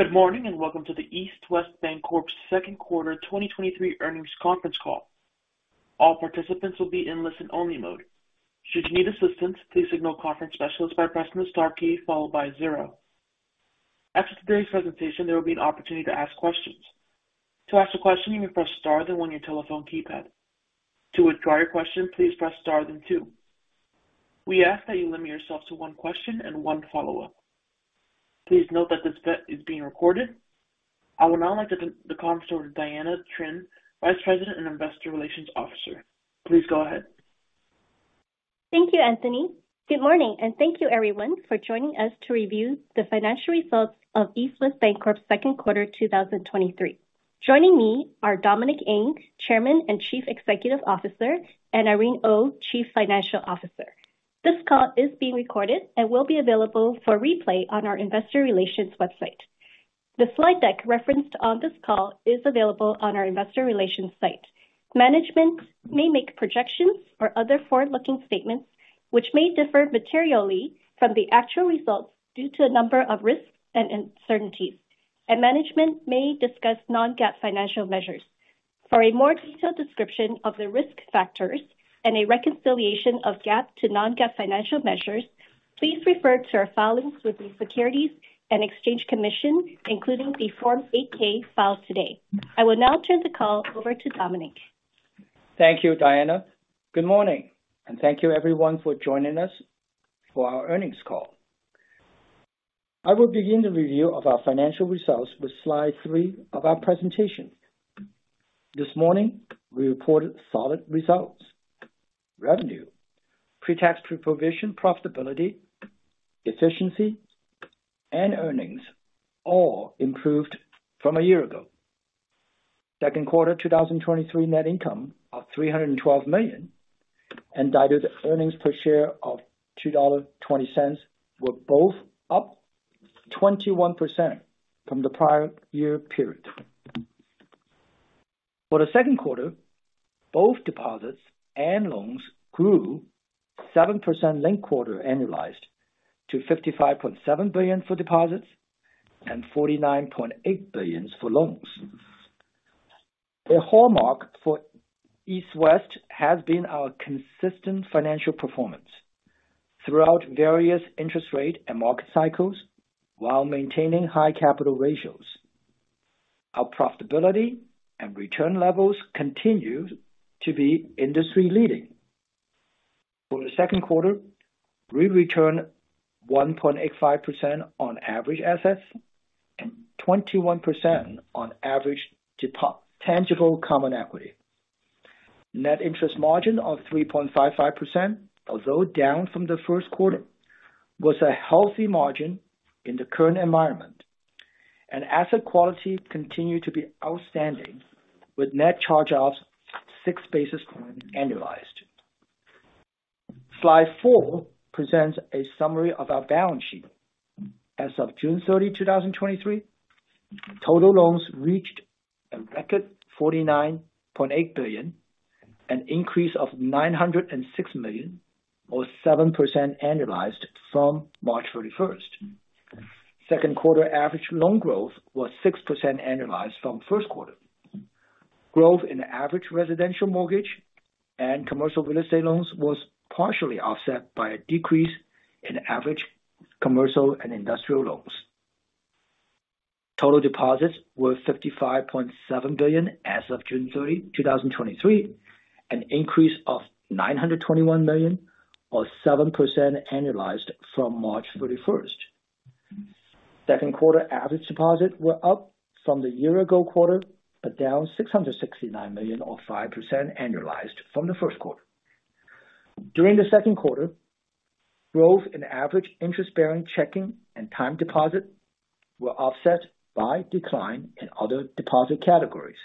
Good morning, welcome to the East West Bancorp's second quarter 2023 earnings conference call. All participants will be in listen-only mode. Should you need assistance, please signal conference specialists by pressing the star key followed by zero. After today's presentation, there will be an opportunity to ask questions. To ask a question, you may press star then one your telephone keypad. To withdraw your question, please press star then two. We ask that you limit yourself to one question and one follow-up. Please note that this event is being recorded. I would now like to hand the conference over to Diana Trinh, Vice President and Investor Relations Officer. Please go ahead. Thank you, Anthony. Good morning, and thank you everyone for joining us to review the financial results of East West Bancorp's second quarter 2023. Joining me are Dominic Ng, Chairman and Chief Executive Officer, and Irene Oh, Chief Financial Officer. This call is being recorded and will be available for replay on our investor relations website. The slide deck referenced on this call is available on our investor relations site. Management may make projections or other forward-looking statements, which may differ materially from the actual results due to a number of risks and uncertainties, and management may discuss non-GAAP financial measures. For a more detailed description of the risk factors and a reconciliation of GAAP to non-GAAP financial measures, please refer to our filings with the Securities and Exchange Commission, including the Form 8-K filed today. I will now turn the call over to Dominic. Thank you, Diana. Good morning. Thank you everyone for joining us for our earnings call. I will begin the review of our financial results with slide three of our presentation. This morning, we reported solid results, revenue, pre-tax, pre-provision, profitability, efficiency, and earnings all improved from a year ago. Second quarter 2023 net income of $312 million and diluted earnings per share of $2.20 were both up 21% from the prior year period. For the second quarter, both deposits and loans grew 7% linked-quarter annualized to $55.7 billion for deposits and $49.8 billions for loans. A hallmark for East West has been our consistent financial performance throughout various interest rate and market cycles, while maintaining high capital ratios. Our profitability and return levels continue to be industry-leading. For the second quarter, we returned 1.85% on average assets and 21% on average tangible common equity. Net interest margin of 3.55%, although down from the first quarter, was a healthy margin in the current environment. Asset quality continued to be outstanding, with net charge-offs 6 basis points annualized. Slide four presents a summary of our balance sheet. As of June 30, 2023, total loans reached a record $49.8 billion, an increase of $906 million, or 7% annualized from March 31st. Second quarter average loan growth was 6% annualized from first quarter. Growth in average residential mortgage and Commercial Real Estate loans was partially offset by a decrease in average commercial and industrial loans. Total deposits were $55.7 billion as of June 30, 2023, an increase of $921 million, or 7% annualized from March 31. Second quarter average deposits were up from the year-ago quarter, but down $669 million or 5% annualized from the first quarter. During the second quarter, growth in average interest-bearing checking and time deposit were offset by decline in other deposit categories,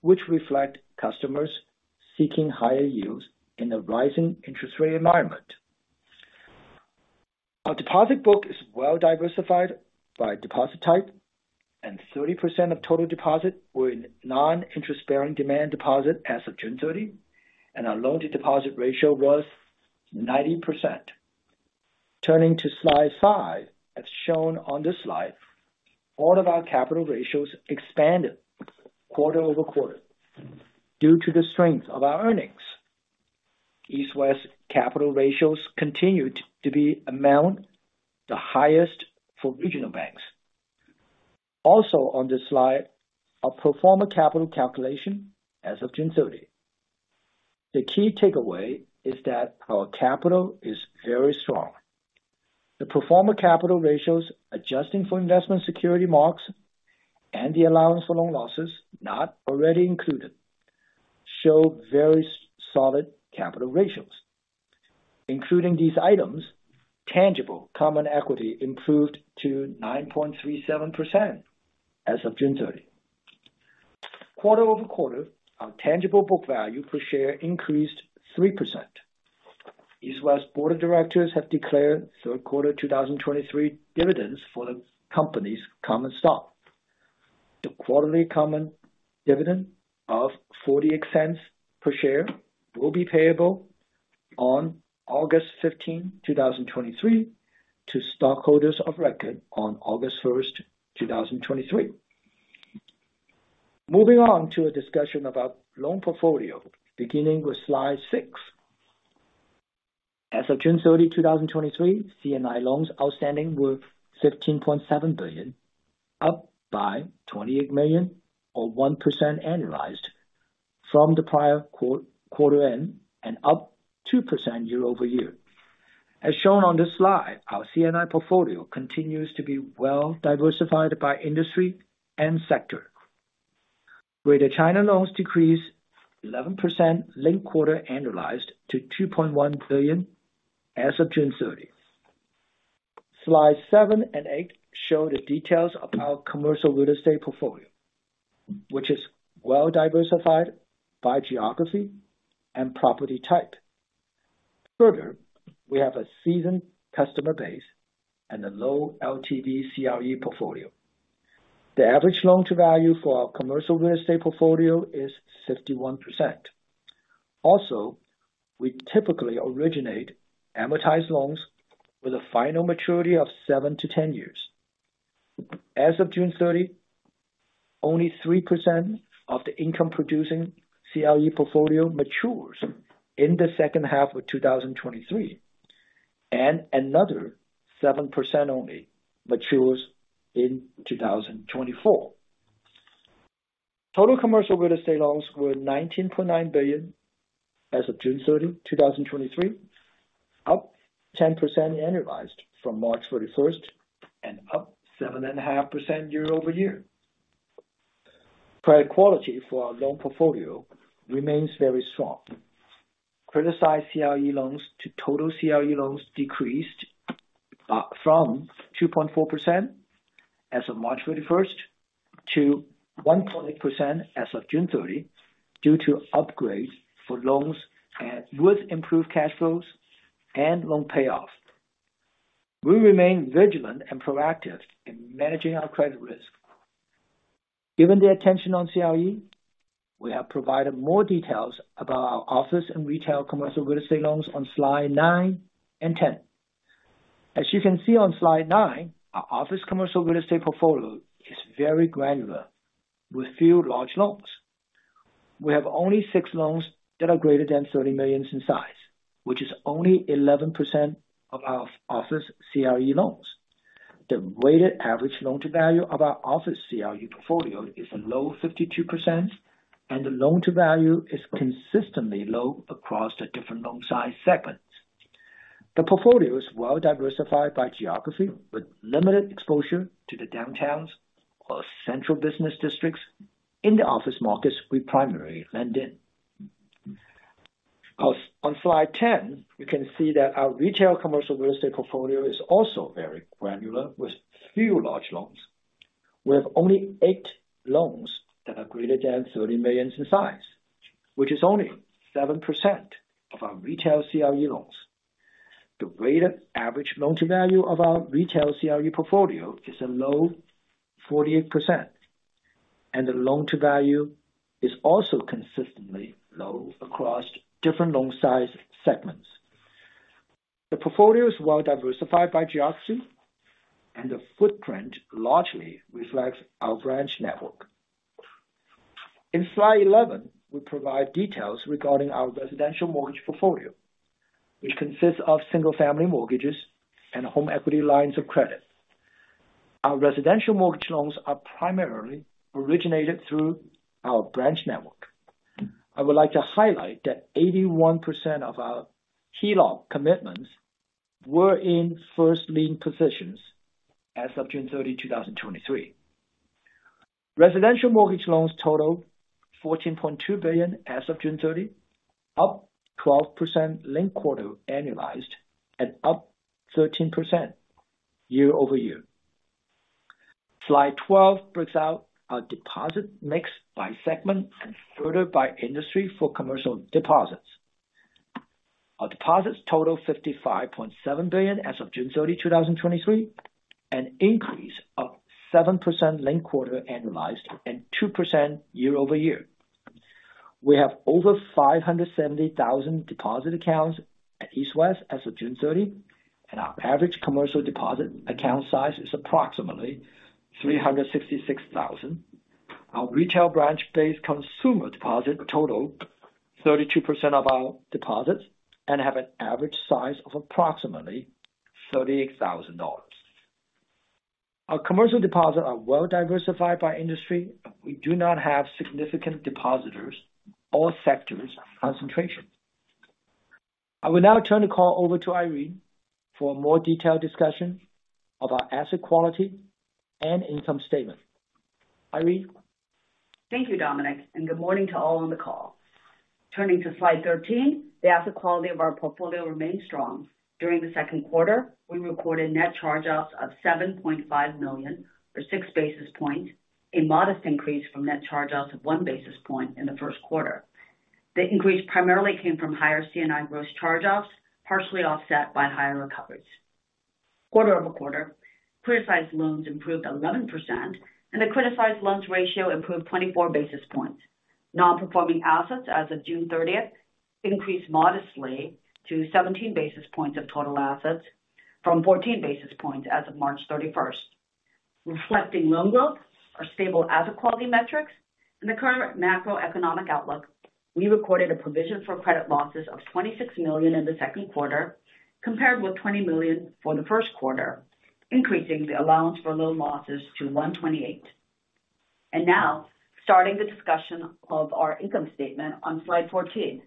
which reflect customers seeking higher yields in a rising interest rate environment. Our deposit book is well diversified by deposit type, and 30% of total deposits were in non-interest-bearing demand deposits as of June 30, and our loan-to-deposit ratio was 90%. Turning to slide five, as shown on this slide, all of our capital ratios expanded quarter-over-quarter due to the strength of our earnings. East West capital ratios continued to be among the highest for regional banks. Also on this slide, our pro forma capital calculation as of June 30. The key takeaway is that our capital is very strong. The pro forma capital ratios, adjusting for investment security marks and the allowance for loan losses not already included, show very solid capital ratios. Including these items, tangible common equity improved to 9.37% as of June 30. Quarter-over-quarter, our tangible book value per share increased 3%. East West Board of Directors have declared third quarter 2023 dividends for the company's common stock. The quarterly common dividend of $0.40 per share will be payable on August 15, 2023, to stockholders of record on August 1, 2023. Moving on to a discussion about loan portfolio, beginning with slide six. As of June 30, 2023, C&I loans outstanding were $15.7 billion, up by $28 million, or 1% annualized from the prior quarter end and up 2% year-over-year. As shown on this slide, our C&I portfolio continues to be well diversified by industry and sector, where the China loans decreased 11% linked-quarter annualized to $2.1 billion as of June 30. Slide seven and eight show the details of our commercial real estate portfolio, which is well diversified by geography and property type. Further, we have a seasoned customer base and a low LTV CRE portfolio. The average loan-to-value for our commercial real estate portfolio is 51%. Also, we typically originate amortized loans with a final maturity of seven to 10 years. As of June 30, only 3% of the income producing CRE portfolio matures in the second half of 2023, and another 7% only matures in 2024. Total commercial real estate loans were $19.9 billion as of June 30, 2023, up 10% annualized from March 31st, and up 7.5% year-over-year. Credit quality for our loan portfolio remains very strong. Criticized CRE loans to total CRE loans decreased from 2.4% as of March 31st to 1.8% as of June 30, due to upgrades for loans with improved cash flows and loan payoffs. We remain vigilant and proactive in managing our credit risk. Given the attention on CRE, we have provided more details about our office and retail commercial real estate loans on slide nine and 10. As you can see on slide nine, our office commercial real estate portfolio is very granular with few large loans. We have only six loans that are greater than $30 million in size, which is only 11% of our office CRE loans. The weighted average loan-to-value of our office CRE portfolio is a low 52%. The loan-to-value is consistently low across the different loan size segments. The portfolio is well diversified by geography, with limited exposure to the downtowns or central business districts in the office markets we primarily lend in. On slide 10, you can see that our retail commercial real estate portfolio is also very granular, with few large loans. We have only eight loans that are greater than $30 million in size, which is only 7% of our retail CRE loans. The weighted average loan-to-value of our retail CRE portfolio is a low 48%, and the loan-to-value is also consistently low across different loan size segments. The portfolio is well diversified by geography, and the footprint largely reflects our branch network. In slide 11, we provide details regarding our residential mortgage portfolio, which consists of single-family mortgages and home equity lines of credit. Our residential mortgage loans are primarily originated through our branch network. I would like to highlight that 81% of our HELOC commitments were in first lien positions as of June 30, 2023. Residential mortgage loans total $14.2 billion as of June 30, up 12% linked quarter annualized and up 13% year-over-year. Slide 12 breaks out our deposit mix by segment and further by industry for commercial deposits. Our deposits total $55.7 billion as of June 30, 2023, an increase of 7% linked quarter annualized and 2% year-over-year. We have over 570,000 deposit accounts at East West as of June 30, and our average commercial deposit account size is approximately $366,000. Our retail branch-based consumer deposit total 32% of our deposits and have an average size of approximately $38,000. Our commercial deposits are well diversified by industry. We do not have significant depositors or sectors concentration. I will now turn the call over to Irene for a more detailed discussion about asset quality and income statement. Irene? Thank you, Dominic. Good morning to all on the call. Turning to slide 13. The asset quality of our portfolio remains strong. During the second quarter, we recorded net charge-offs of $7.5 million, or 6 basis points, a modest increase from net charge-offs of 1 basis point in the first quarter. The increase primarily came from higher C&I gross charge-offs, partially offset by higher recoveries. Quarter-over-quarter, criticized loans improved 11%. The criticized loans ratio improved 24 basis points. Non-performing assets as of June 30th increased modestly to 17 basis points of total assets from 14 basis points as of March 31st. Reflecting loan growth, our stable asset quality metrics, and the current macroeconomic outlook, we recorded a provision for credit losses of $26 million in the second quarter, compared with $20 million for the first quarter, increasing the allowance for loan losses to $128 million. Now, starting the discussion of our income statement on slide 14.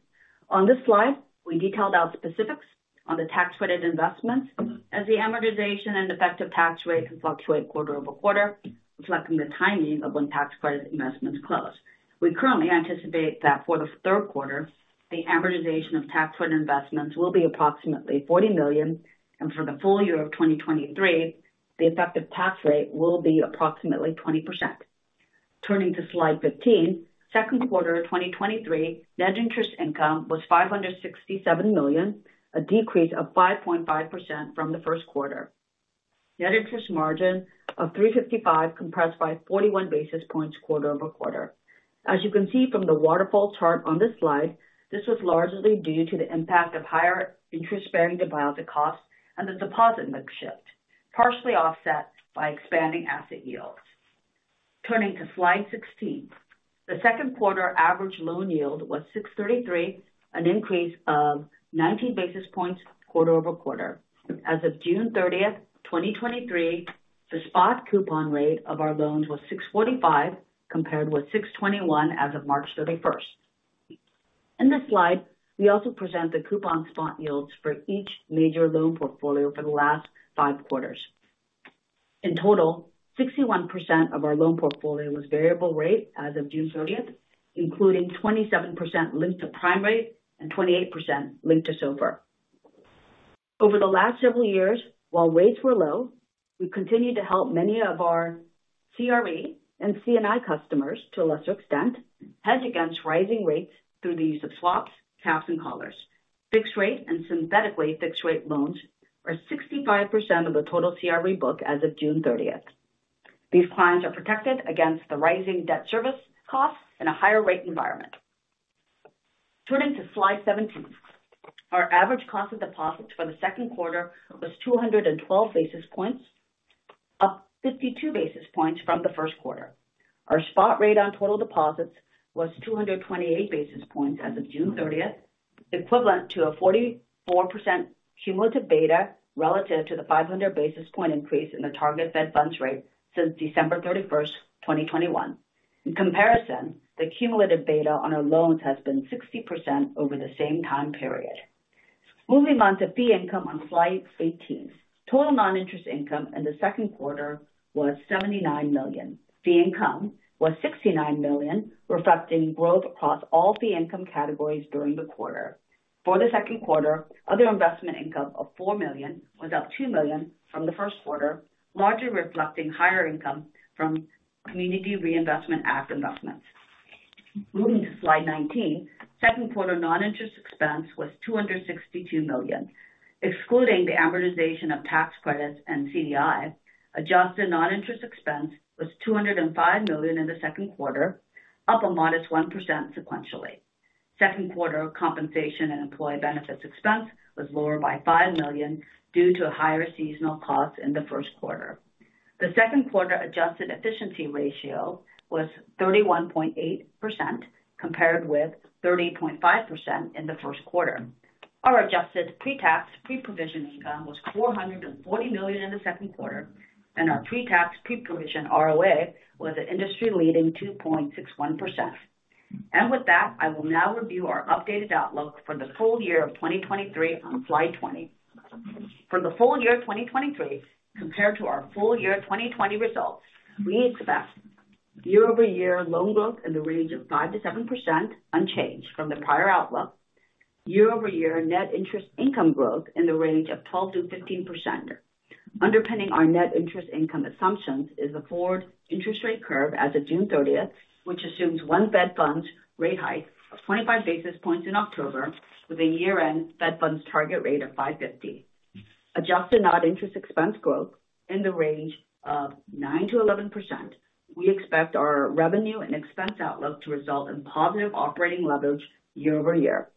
On this slide, we detailed out the specifics on the tax credit investments as the amortization and effective tax rate can fluctuate quarter-over-quarter, reflecting the timing of when tax credit investments close. We currently anticipate that for the third quarter, the amortization of tax credit investments will be approximately $40 million, and for the full year of 2023, the effective tax rate will be approximately 20%. Turning to slide 15. Second quarter of 2023, net interest income was $567 million, a decrease of 5.5% from the first quarter. Net interest margin of 3.55%, compressed by 41 basis points quarter-over-quarter. As you can see from the waterfall chart on this slide, this was largely due to the impact of higher interest-bearing deposits costs and the deposit mix shift, partially offset by expanding asset yields. Turning to slide 16. The second quarter average loan yield was 6.33%, an increase of 19 basis points quarter-over-quarter. As of June 30, 2023, the spot coupon rate of our loans was 6.45%, compared with 6.21% as of March 31. In this slide, we also present the coupon spot yields for each major loan portfolio for the last five quarters. In total, 61% of our loan portfolio was variable rate as of June 30th, including 27% linked to prime rate and 28% linked to SOFR. Over the last several years, while rates were low, we continued to help many of our CRE and C&I customers, to a lesser extent, hedge against rising rates through the use of swaps, caps and collars. Fixed rate and synthetically fixed rate loans are 65% of the total CRE book as of June 30th. These clients are protected against the rising debt service costs in a higher rate environment. Turning to slide 17. Our average cost of deposits for the second quarter was 212 basis points, up 52 basis points from the first quarter. Our spot rate on total deposits was 228 basis points as of June 30, equivalent to a 44% cumulative beta relative to the 500 basis point increase in the target Fed funds rate since December 31, 2021. In comparison, the cumulative beta on our loans has been 60% over the same time period. Moving on to fee income on slide 18. Total non-interest income in the second quarter was $79 million. Fee income was $69 million, reflecting growth across all fee income categories during the quarter. For the second quarter, other investment income of $4 million was up $2 million from the first quarter, largely reflecting higher income from Community Reinvestment Act investments. Moving to slide 19. Second quarter non-interest expense was $262 million. Excluding the amortization of tax credits and CDI, adjusted non-interest expense was $205 million in the second quarter, up a modest 1% sequentially. Second quarter compensation and employee benefits expense was lower by $5 million due to a higher seasonal cost in the first quarter. The second quarter adjusted efficiency ratio was 31.8%, compared with 30.5% in the first quarter. Our adjusted pre-tax, pre-provision income was $440 million in the second quarter, and our pre-tax, pre-provision ROA was an industry-leading 2.61%. With that, I will now review our updated outlook for the full year of 2023 on slide 20. For the full year of 2023, compared to our full year 2020 results, we expect year-over-year loan growth in the range of 5%-7%, unchanged from the prior outlook. Year-over-year net interest income growth in the range of 12%-15%. Underpinning our net interest income assumptions is the forward interest rate curve as of June 30th, which assumes 1 Fed funds rate hike of 25 basis points in October, with a year-end Fed funds target rate of 5.50%. Adjusted non-interest expense growth in the range of 9%-11%. We expect our revenue and expense outlook to result in positive operating leverage year-over-year.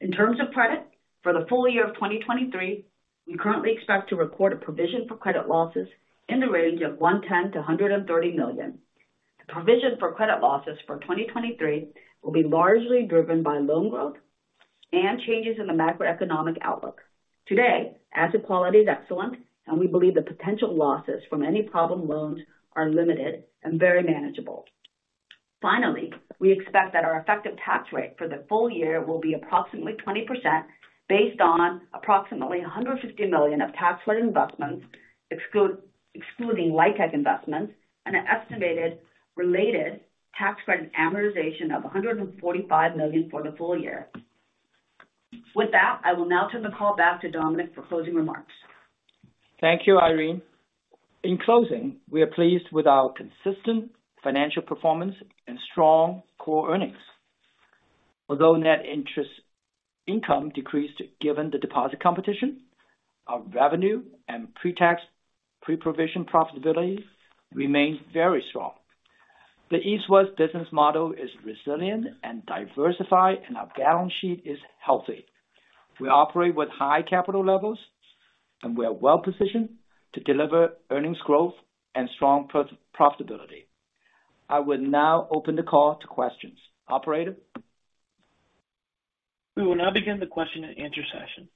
In terms of credit, for the full year of 2023, we currently expect to record a provision for credit losses in the range of $110 million-$130 million. The provision for credit losses for 2023 will be largely driven by loan growth and changes in the macroeconomic outlook. Today, asset quality is excellent, and we believe the potential losses from any problem loans are limited and very manageable. Finally, we expect that our effective tax rate for the full year will be approximately 20%, based on approximately $150 million of tax-led investments, excluding LIHTC investments, and an estimated related tax credit amortization of $145 million for the full year. With that, I will now turn the call back to Dominic for closing remarks. Thank you, Irene. In closing, we are pleased with our consistent financial performance and strong core earnings. Although net interest income decreased, given the deposit competition, our revenue and pre-tax, pre-provision profitability remains very strong. The East West business model is resilient and diversified. Our balance sheet is healthy. We operate with high capital levels. We are well-positioned to deliver earnings growth and strong profitability. I will now open the call to questions. Operator? We will now begin the question and answer session.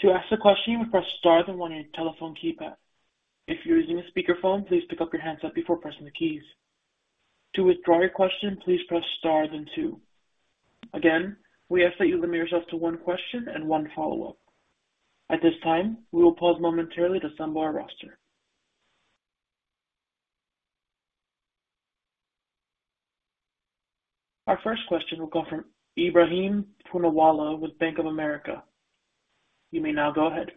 To ask a question, you press star then one on your telephone keypad. If you're using a speakerphone, please pick up your handset before pressing the keys. To withdraw your question, please press star then two. Again, we ask that you limit yourself to one question and one follow-up. At this time, we will pause momentarily to assemble our roster. Our first question will come from Ebrahim Poonawala with Bank of America. You may now go ahead.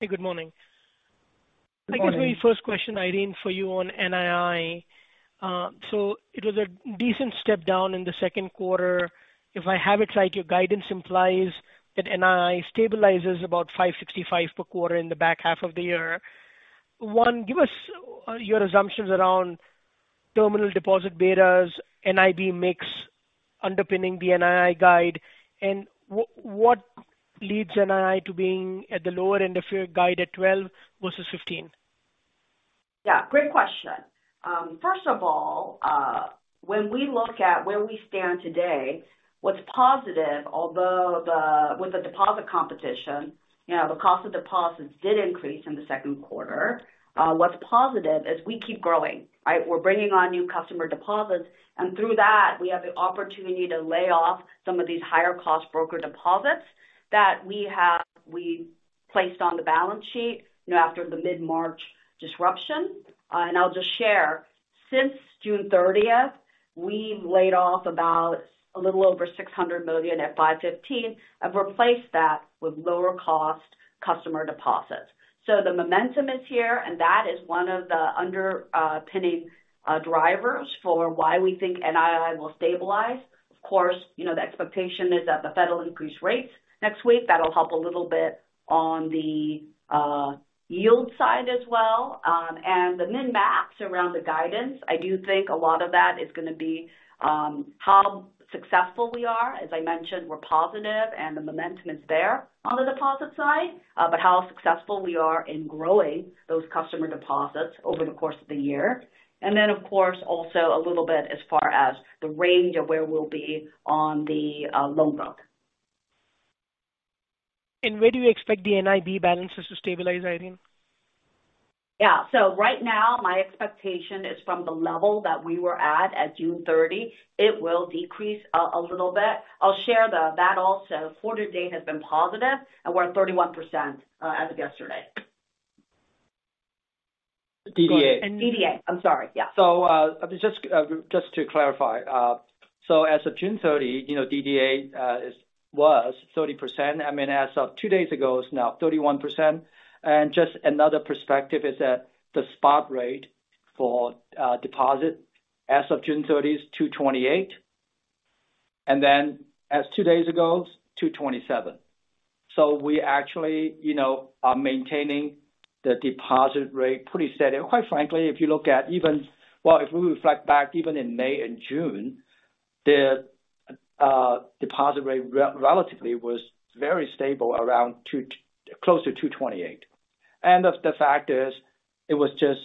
Hey, good morning. Good morning. I guess my first question, Irene, for you on NII. It was a decent step down in the second quarter. If I have it right, your guidance implies that NII stabilizes about $565 million per quarter in the back half of the year. One, give us your assumptions around terminal deposit betas, NIB mix underpinning the NII guide, and what leads NII to being at the lower end of your guide at 12 versus 15? Yeah, great question. First of all, when we look at where we stand today, what's positive, although with the deposit competition, you know, the cost of deposits did increase in the second quarter. What's positive is we keep growing, right? We're bringing on new customer deposits, and through that, we have the opportunity to lay off some of these higher cost broker deposits that we placed on the balance sheet, you know, after the mid-March disruption. I'll just share, since June 30th, we've laid off about a little over $600 million at 5.15 and replaced that with lower cost customer deposits. The momentum is here, and that is one of the underpinning drivers for why we think NII will stabilize. Of course, you know, the expectation is that the Fed will increase rates next week. That'll help a little bit on the yield side as well. The min-max around the guidance, I do think a lot of that is going to be how successful we are. As I mentioned, we're positive and the momentum is there on the deposit side, but how successful we are in growing those customer deposits over the course of the year. Of course, also a little bit as far as the range of where we'll be on the loan book. Where do you expect the NIB balances to stabilize, Irene? Yeah. Right now, my expectation is from the level that we were at June 30, it will decrease a little bit. I'll share that also. Quarter to date has been positive, and we're at 31%, as of yesterday. DDA. DDA. I'm sorry, yeah. Just to clarify. As of June 30, you know, DDA was 30%. I mean, as of two days ago, it's now 31%. Just another perspective is that the spot rate for deposit as of June 30 is 2.28%, as two days ago, it's 2.27%. We actually, you know, are maintaining the deposit rate pretty steady. Quite frankly, if you look at even if we reflect back even in May and June, the deposit rate relatively was very stable, around close to 2.28%. The fact is, it was just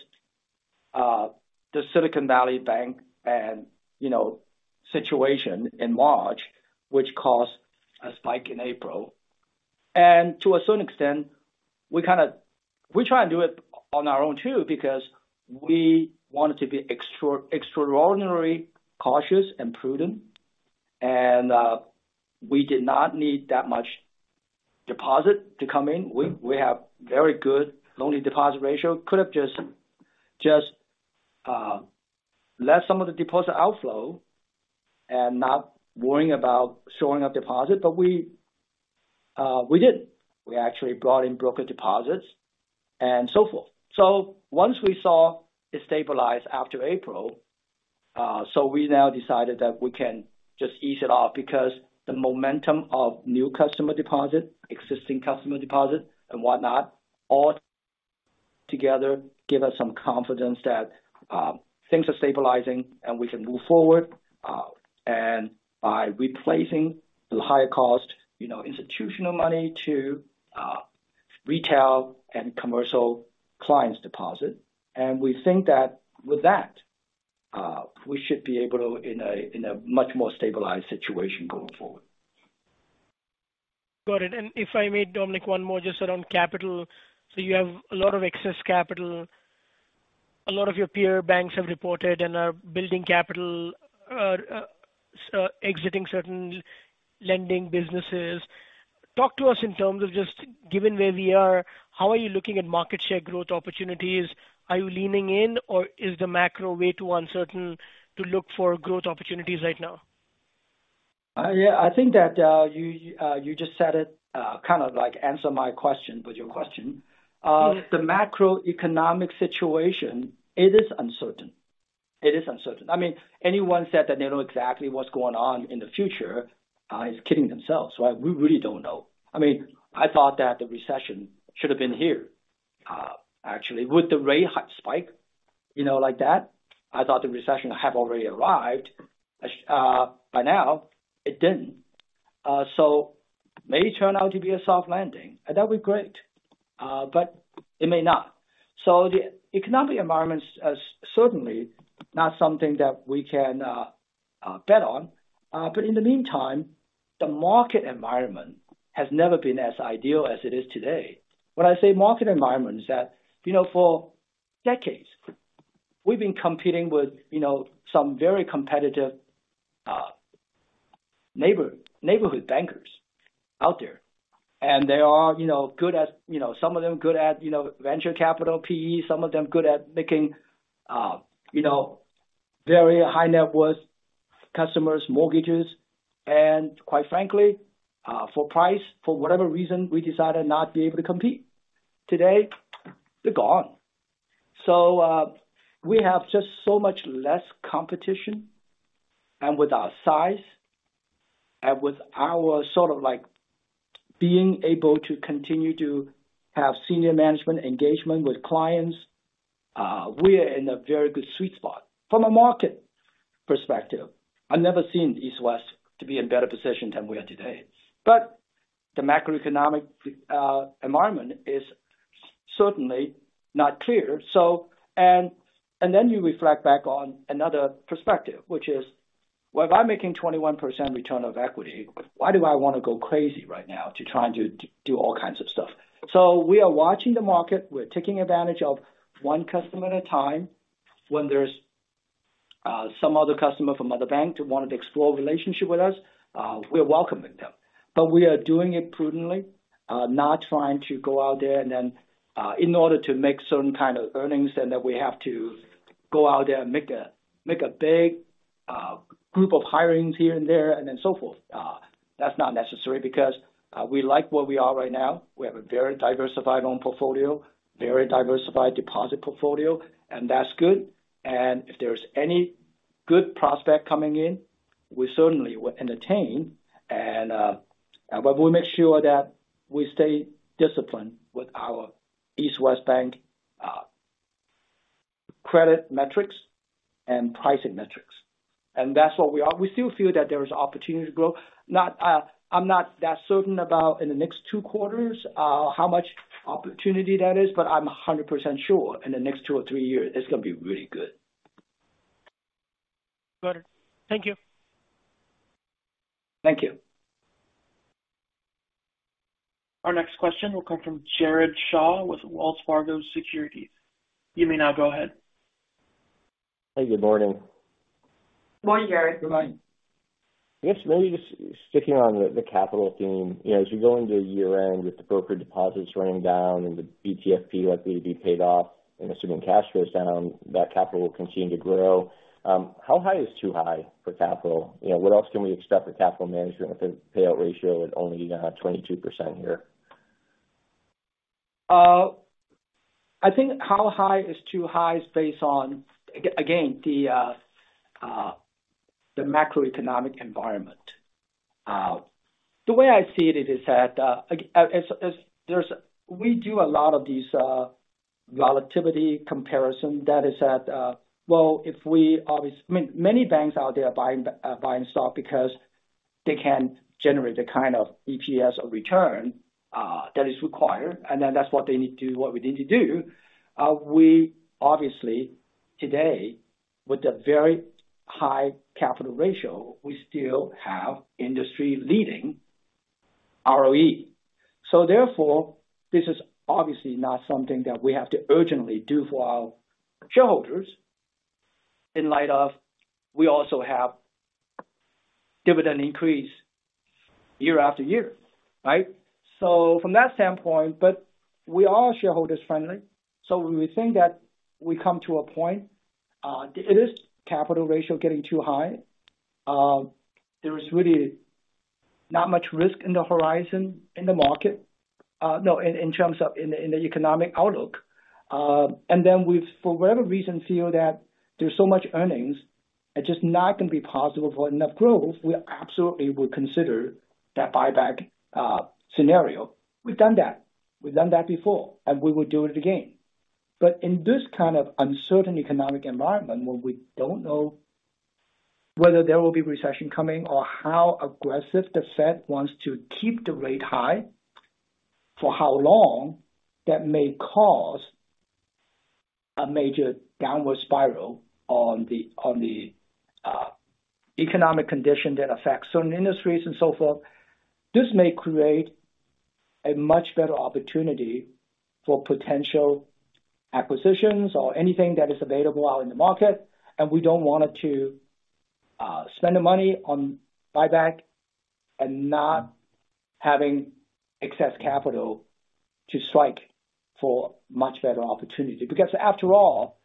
the Silicon Valley Bank and, you know, situation in March, which caused a spike in April. To a certain extent, we try and do it on our own, too, because we wanted to be extraordinary cautious and prudent, and we did not need that much deposit to come in. We have very good loan-to-deposit ratio. Could have just let some of the deposit outflow and not worrying about shoring up deposit, but we didn't. We actually brought in broker deposits and so forth. Once we saw it stabilize after April, so we now decided that we can just ease it off because the momentum of new customer deposit, existing customer deposit and whatnot, all together, give us some confidence that things are stabilizing and we can move forward and by replacing the higher cost, you know, institutional money to retail and commercial clients' deposit. We think that with that, we should be able to in a, in a much more stabilized situation going forward. Got it. If I may, Dominic, one more just around capital. You have a lot of excess capital. A lot of your peer banks have reported and are building capital, exiting certain lending businesses. Talk to us in terms of just given where we are, how are you looking at market share growth opportunities? Are you leaning in, or is the macro way too uncertain to look for growth opportunities right now? Yeah, I think that you just said it, kind of like answer my question with your question. The macroeconomic situation, it is uncertain. It is uncertain. I mean, anyone said that they know exactly what's going on in the future, is kidding themselves. We really don't know. I mean, I thought that the recession should have been here, actually, with the rate high spike, you know, like that, I thought the recession have already arrived, by now, it didn't. May turn out to be a soft landing, and that'll be great, but it may not. The economic environment is certainly not something that we can bet on. In the meantime, the market environment has never been as ideal as it is today. When I say market environment, is that, you know, for decades, we've been competing with, you know, some very competitive neighborhood bankers out there. And they are, you know, good at, you know, some of them good at, you know, venture capital, PE, some of them good at making, you know, very high net worth customers, mortgages. And quite frankly, for price, for whatever reason, we decided not to be able to compete. Today, they're gone. We have just so much less competition, and with our size, and with our sort of like, being able to continue to have senior management engagement with clients, we are in a very good sweet spot. From a market perspective, I've never seen East West to be in better position than we are today. The macroeconomic environment is certainly not clear. Then you reflect back on another perspective, which is, well, if I'm making 21% return of equity, why do I want to go crazy right now to try to do all kinds of stuff? We are watching the market. We're taking advantage of one customer at a time. When there's some other customer from other bank to want to explore a relationship with us, we're welcoming them. We are doing it prudently, not trying to go out there and then, in order to make certain kind of earnings, and that we have to go out there and make a big group of hirings here and there, and then so forth. That's not necessary because we like where we are right now. We have a very diversified loan portfolio, very diversified deposit portfolio, and that's good. If there's any good prospect coming in, we certainly will entertain and, but we'll make sure that we stay disciplined with our East West Bank credit metrics and pricing metrics. That's what we are. We still feel that there is opportunity to grow. Not. I'm not that certain about in the next two quarters, how much opportunity that is, but I'm 100% sure in the next two or three years, it's gonna be really good. Got it. Thank you. Thank you. Our next question will come from Jared Shaw with Wells Fargo Securities. You may now go ahead. Hey, good morning. Good morning, Jared. Good morning. Yes, maybe just sticking on the capital theme. You know, as you go into year-end, with the broker deposits running down and the BTFP likely to be paid off and assuming cash flows down, that capital will continue to grow. How high is too high for capital? You know, what else can we expect for capital management if the payout ratio is only 22% here? I think how high is too high is based on, again, the macroeconomic environment. The way I see it is that, as we do a lot of these relativity comparison, that is that, well, if we I mean, many banks out there are buying stock because they can't generate the kind of EPS or return that is required, that's what they need to do, what we need to do. We obviously, today, with a very high capital ratio, we still have industry-leading ROE. This is obviously not something that we have to urgently do for our shareholders, in light of we also have dividend increase year after year, right? From that standpoint, but we are shareholders friendly, so when we think that we come to a point, it is capital ratio getting too high, there is really not much risk in the horizon, in the market, no, in terms of the economic outlook. Then we've, for whatever reason, feel that there's so much earnings, it's just not gonna be possible for enough growth, we absolutely would consider that buyback scenario. We've done that. We've done that before, and we will do it again. In this kind of uncertain economic environment, where we don't know whether there will be recession coming or how aggressive the Fed wants to keep the rate high, for how long, that may cause a major downward spiral on the economic condition that affects certain industries and so forth. This may create a much better opportunity for potential acquisitions or anything that is available out in the market. We don't want it to spend the money on buyback and having excess capital to strike for much better opportunity. After all,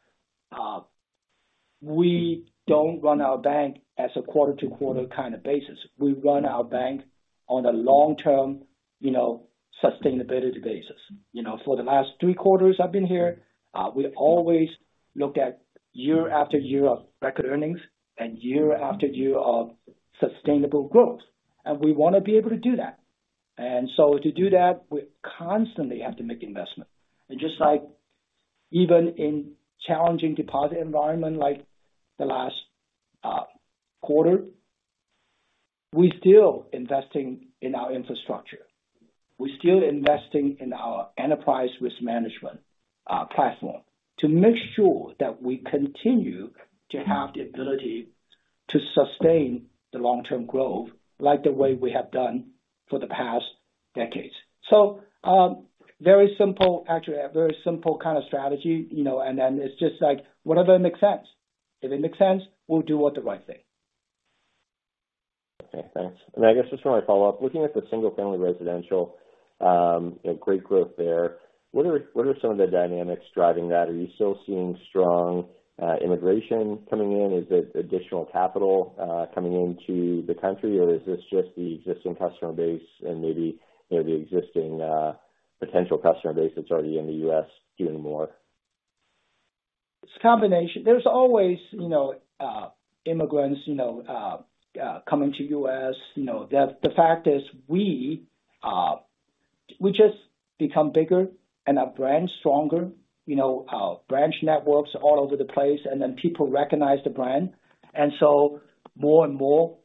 we don't run our bank as a quarter-to-quarter kind of basis. We run our bank on a long-term, you know, sustainability basis. You know, for the last three quarters I've been here, we always look at year after year of record earnings and year after year of sustainable growth. We wanna be able to do that. To do that, we constantly have to make investment. Just like even in challenging deposit environment, like the last quarter, we still investing in our infrastructure. We're still investing in our enterprise risk management platform to make sure that we continue to have the ability to sustain the long-term growth, like the way we have done for the past decades. Very simple, actually, a very simple kind of strategy, you know, and then it's just like, whatever makes sense. If it makes sense, we'll do what the right thing. Okay, thanks. I guess just wanna follow up, looking at the single-family residential, great growth there. What are some of the dynamics driving that? Are you still seeing strong immigration coming in? Is it additional capital coming into the country, or is this just the existing customer base and maybe, you know, the existing potential customer base that's already in the U.S. doing more? It's a combination. There's always, you know, immigrants, you know, coming to U.S. The fact is, we just become bigger and our brand stronger. Our branch networks all over the place, people recognize the brand. More and more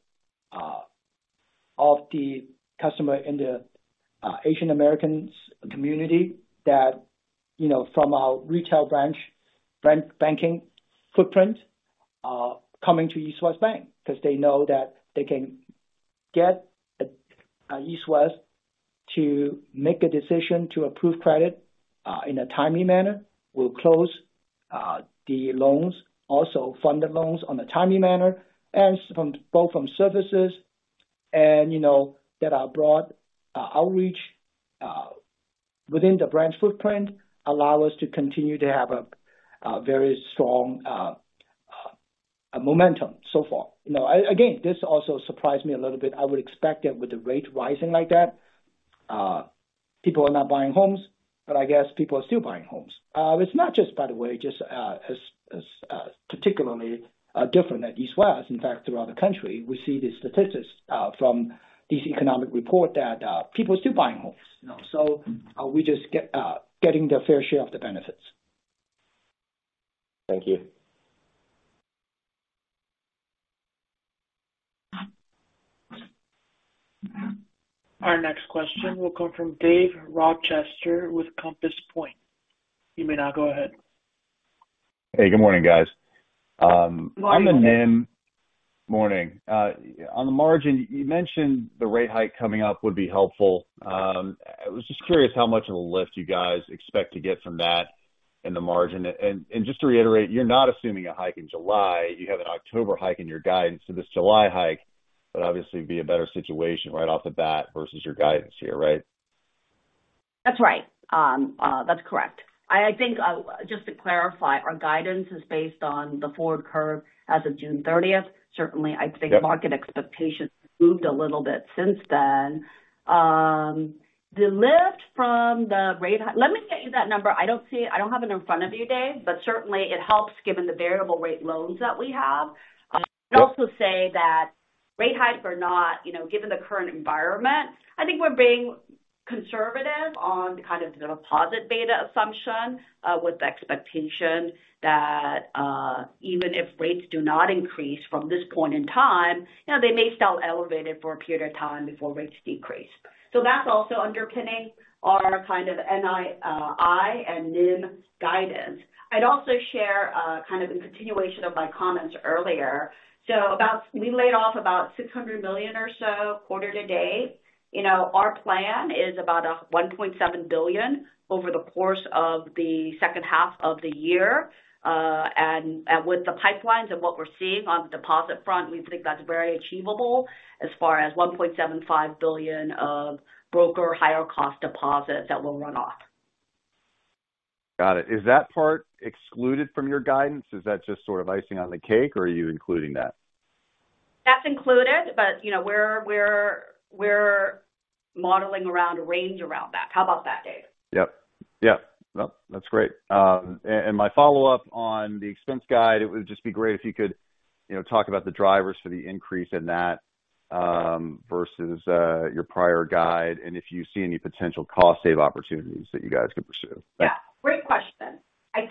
of the customer in the Asian American community that, you know, from our retail branch, banking footprint, are coming to East West Bank because they know that they can get East West to make a decision to approve credit in a timely manner. We'll close the loans, also fund the loans on a timely manner, both from services and, you know, that our broad outreach within the branch footprint allow us to continue to have a very strong momentum so far. You know, again, this also surprised me a little bit. I would expect that with the rate rising like that, people are not buying homes, but I guess people are still buying homes. It's not just, by the way, just, as, particularly, different at East West. In fact, throughout the country, we see the statistics, from this economic report that, people are still buying homes, you know, so, we just getting their fair share of the benefits. Thank you. Our next question will come from Dave Rochester with Compass Point. You may now go ahead. Hey, good morning, guys. Good morning. Morning. On the margin, you mentioned the rate hike coming up would be helpful. I was just curious how much of a lift you guys expect to get from that in the margin? Just to reiterate, you're not assuming a hike in July. You have an October hike in your guidance, so this July hike would obviously be a better situation right off the bat versus your guidance here, right? That's right. That's correct. I think, just to clarify, our guidance is based on the forward curve as of June 30th. Yep. market expectations moved a little bit since then. Let me get you that number. I don't see, I don't have it in front of me, Dave, certainly it helps, given the variable rate loans that we have. Yep. I'd also say that rate hike or not, you know, given the current environment, I think we're being conservative on kind of the deposit beta assumption, with the expectation that, even if rates do not increase from this point in time, you know, they may stay elevated for a period of time before rates decrease. That's also underpinning our kind of NII and NIM guidance. I'd also share, kind of in continuation of my comments earlier. About, we laid off about $600 million or so quarter to date. You know, our plan is about, $1.7 billion over the course of the second half of the year. With the pipelines and what we're seeing on the deposit front, we think that's very achievable as far as $1.75 billion of broker higher cost deposits that will run off. Got it. Is that part excluded from your guidance? Is that just sort of icing on the cake, or are you including that? That's included, but, you know, we're modeling around a range around that. How about that, Dave? Yep. Nope, that's great. My follow-up on the expense guide, it would just be great if you could, you know, talk about the drivers for the increase in that, versus your prior guide, and if you see any potential cost save opportunities that you guys could pursue. Yeah, great question.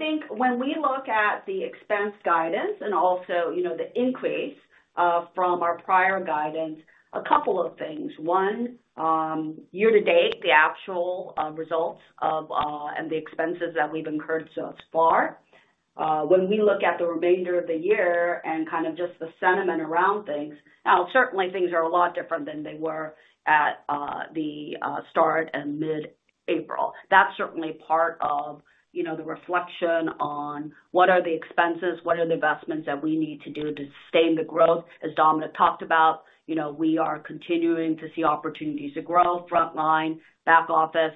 I think when we look at the expense guidance and also, you know, the increase from our prior guidance, a couple of things: One, year to date, the actual results of and the expenses that we've incurred thus far. When we look at the remainder of the year and kind of just the sentiment around things, now, certainly things are a lot different than they were at the start and mid-April. That's certainly part of, you know, the reflection on what are the expenses, what are the investments that we need to do to sustain the growth. As Dominic talked about, you know, we are continuing to see opportunities to grow, frontline, back office.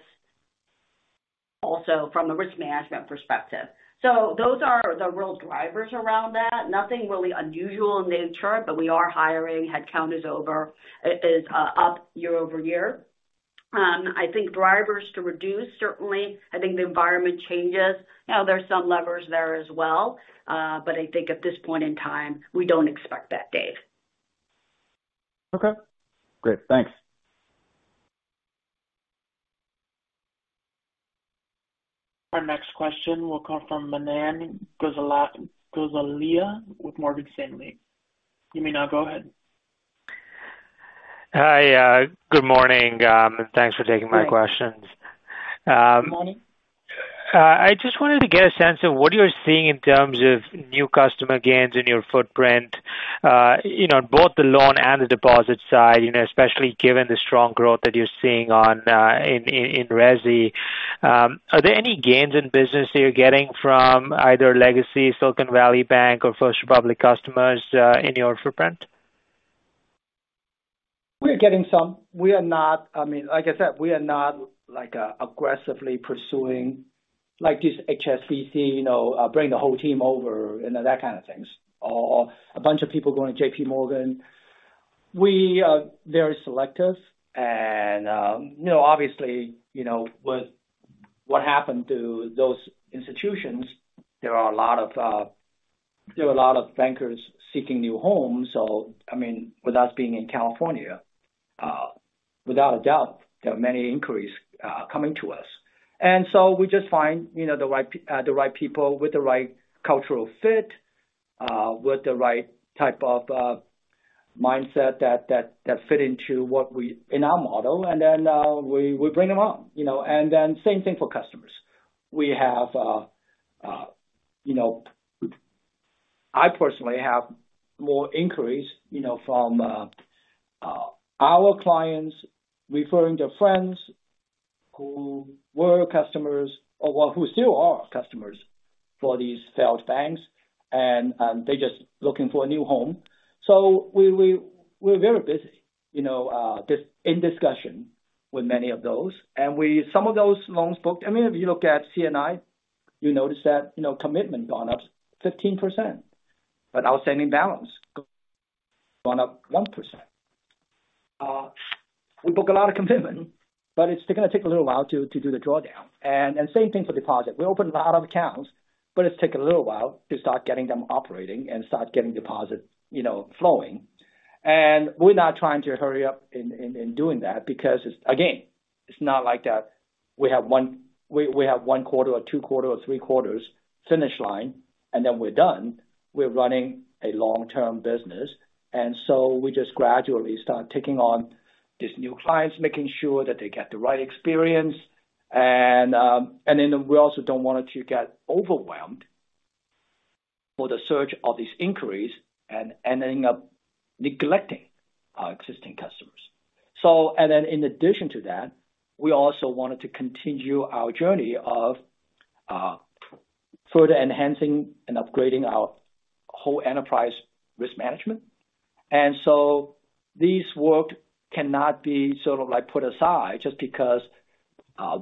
Also from a risk management perspective. Those are the real drivers around that. Nothing really unusual in nature, but we are hiring, headcount is over, it is up year-over-year. I think drivers to reduce, certainly, I think the environment changes. Now, there's some levers there as well, but I think at this point in time, we don't expect that, Dave. Okay, great. Thanks. Our next question will come from Manan Gosalia with Morgan Stanley. You may now go ahead. Hi, good morning. Thanks for taking my questions. Good morning. I just wanted to get a sense of what you're seeing in terms of new customer gains in your footprint, you know, both the loan and the deposit side, you know, especially given the strong growth that you're seeing on in resi. Are there any gains in business that you're getting from either legacy Silicon Valley Bank or First Republic customers, in your footprint? We're getting some. I mean, like I said, we are not, like, aggressively pursuing, like, this HSBC, you know, bring the whole team over, you know, that kind of things, or a bunch of people going to JPMorgan. We are very selective and, you know, obviously, you know, with what happened to those institutions, there are a lot of, there are a lot of bankers seeking new homes. I mean, with us being in California, without a doubt, there are many inquiries, coming to us. We just find, you know, the right people with the right cultural fit, with the right type of, mindset that fit into in our model. We bring them on, you know. Same thing for customers. We have, you know, I personally have more inquiries, you know, from our clients referring their friends who were customers or well, who still are customers for these failed banks, and they're just looking for a new home. We're very busy, you know, in discussion with many of those. Some of those loans booked. I mean, if you look at C&I, you notice that, you know, commitment gone up 15%, but outstanding balance gone up 1%. We book a lot of commitment, but it's gonna take a little while to do the drawdown. Same thing for deposit. We opened a lot of accounts, but it's taken a little while to start getting them operating and start getting deposits, you know, flowing. We're not trying to hurry up in doing that because, again, it's not like that we have one quarter or two quarter or three quarters finish line, and then we're done. We're running a long-term business, and so we just gradually start taking on these new clients, making sure that they get the right experience. Then we also don't want it to get overwhelmed for the surge of these inquiries and ending up neglecting our existing customers. In addition to that, we also wanted to continue our journey of further enhancing and upgrading our whole enterprise risk management. This work cannot be sort of, like, put aside just because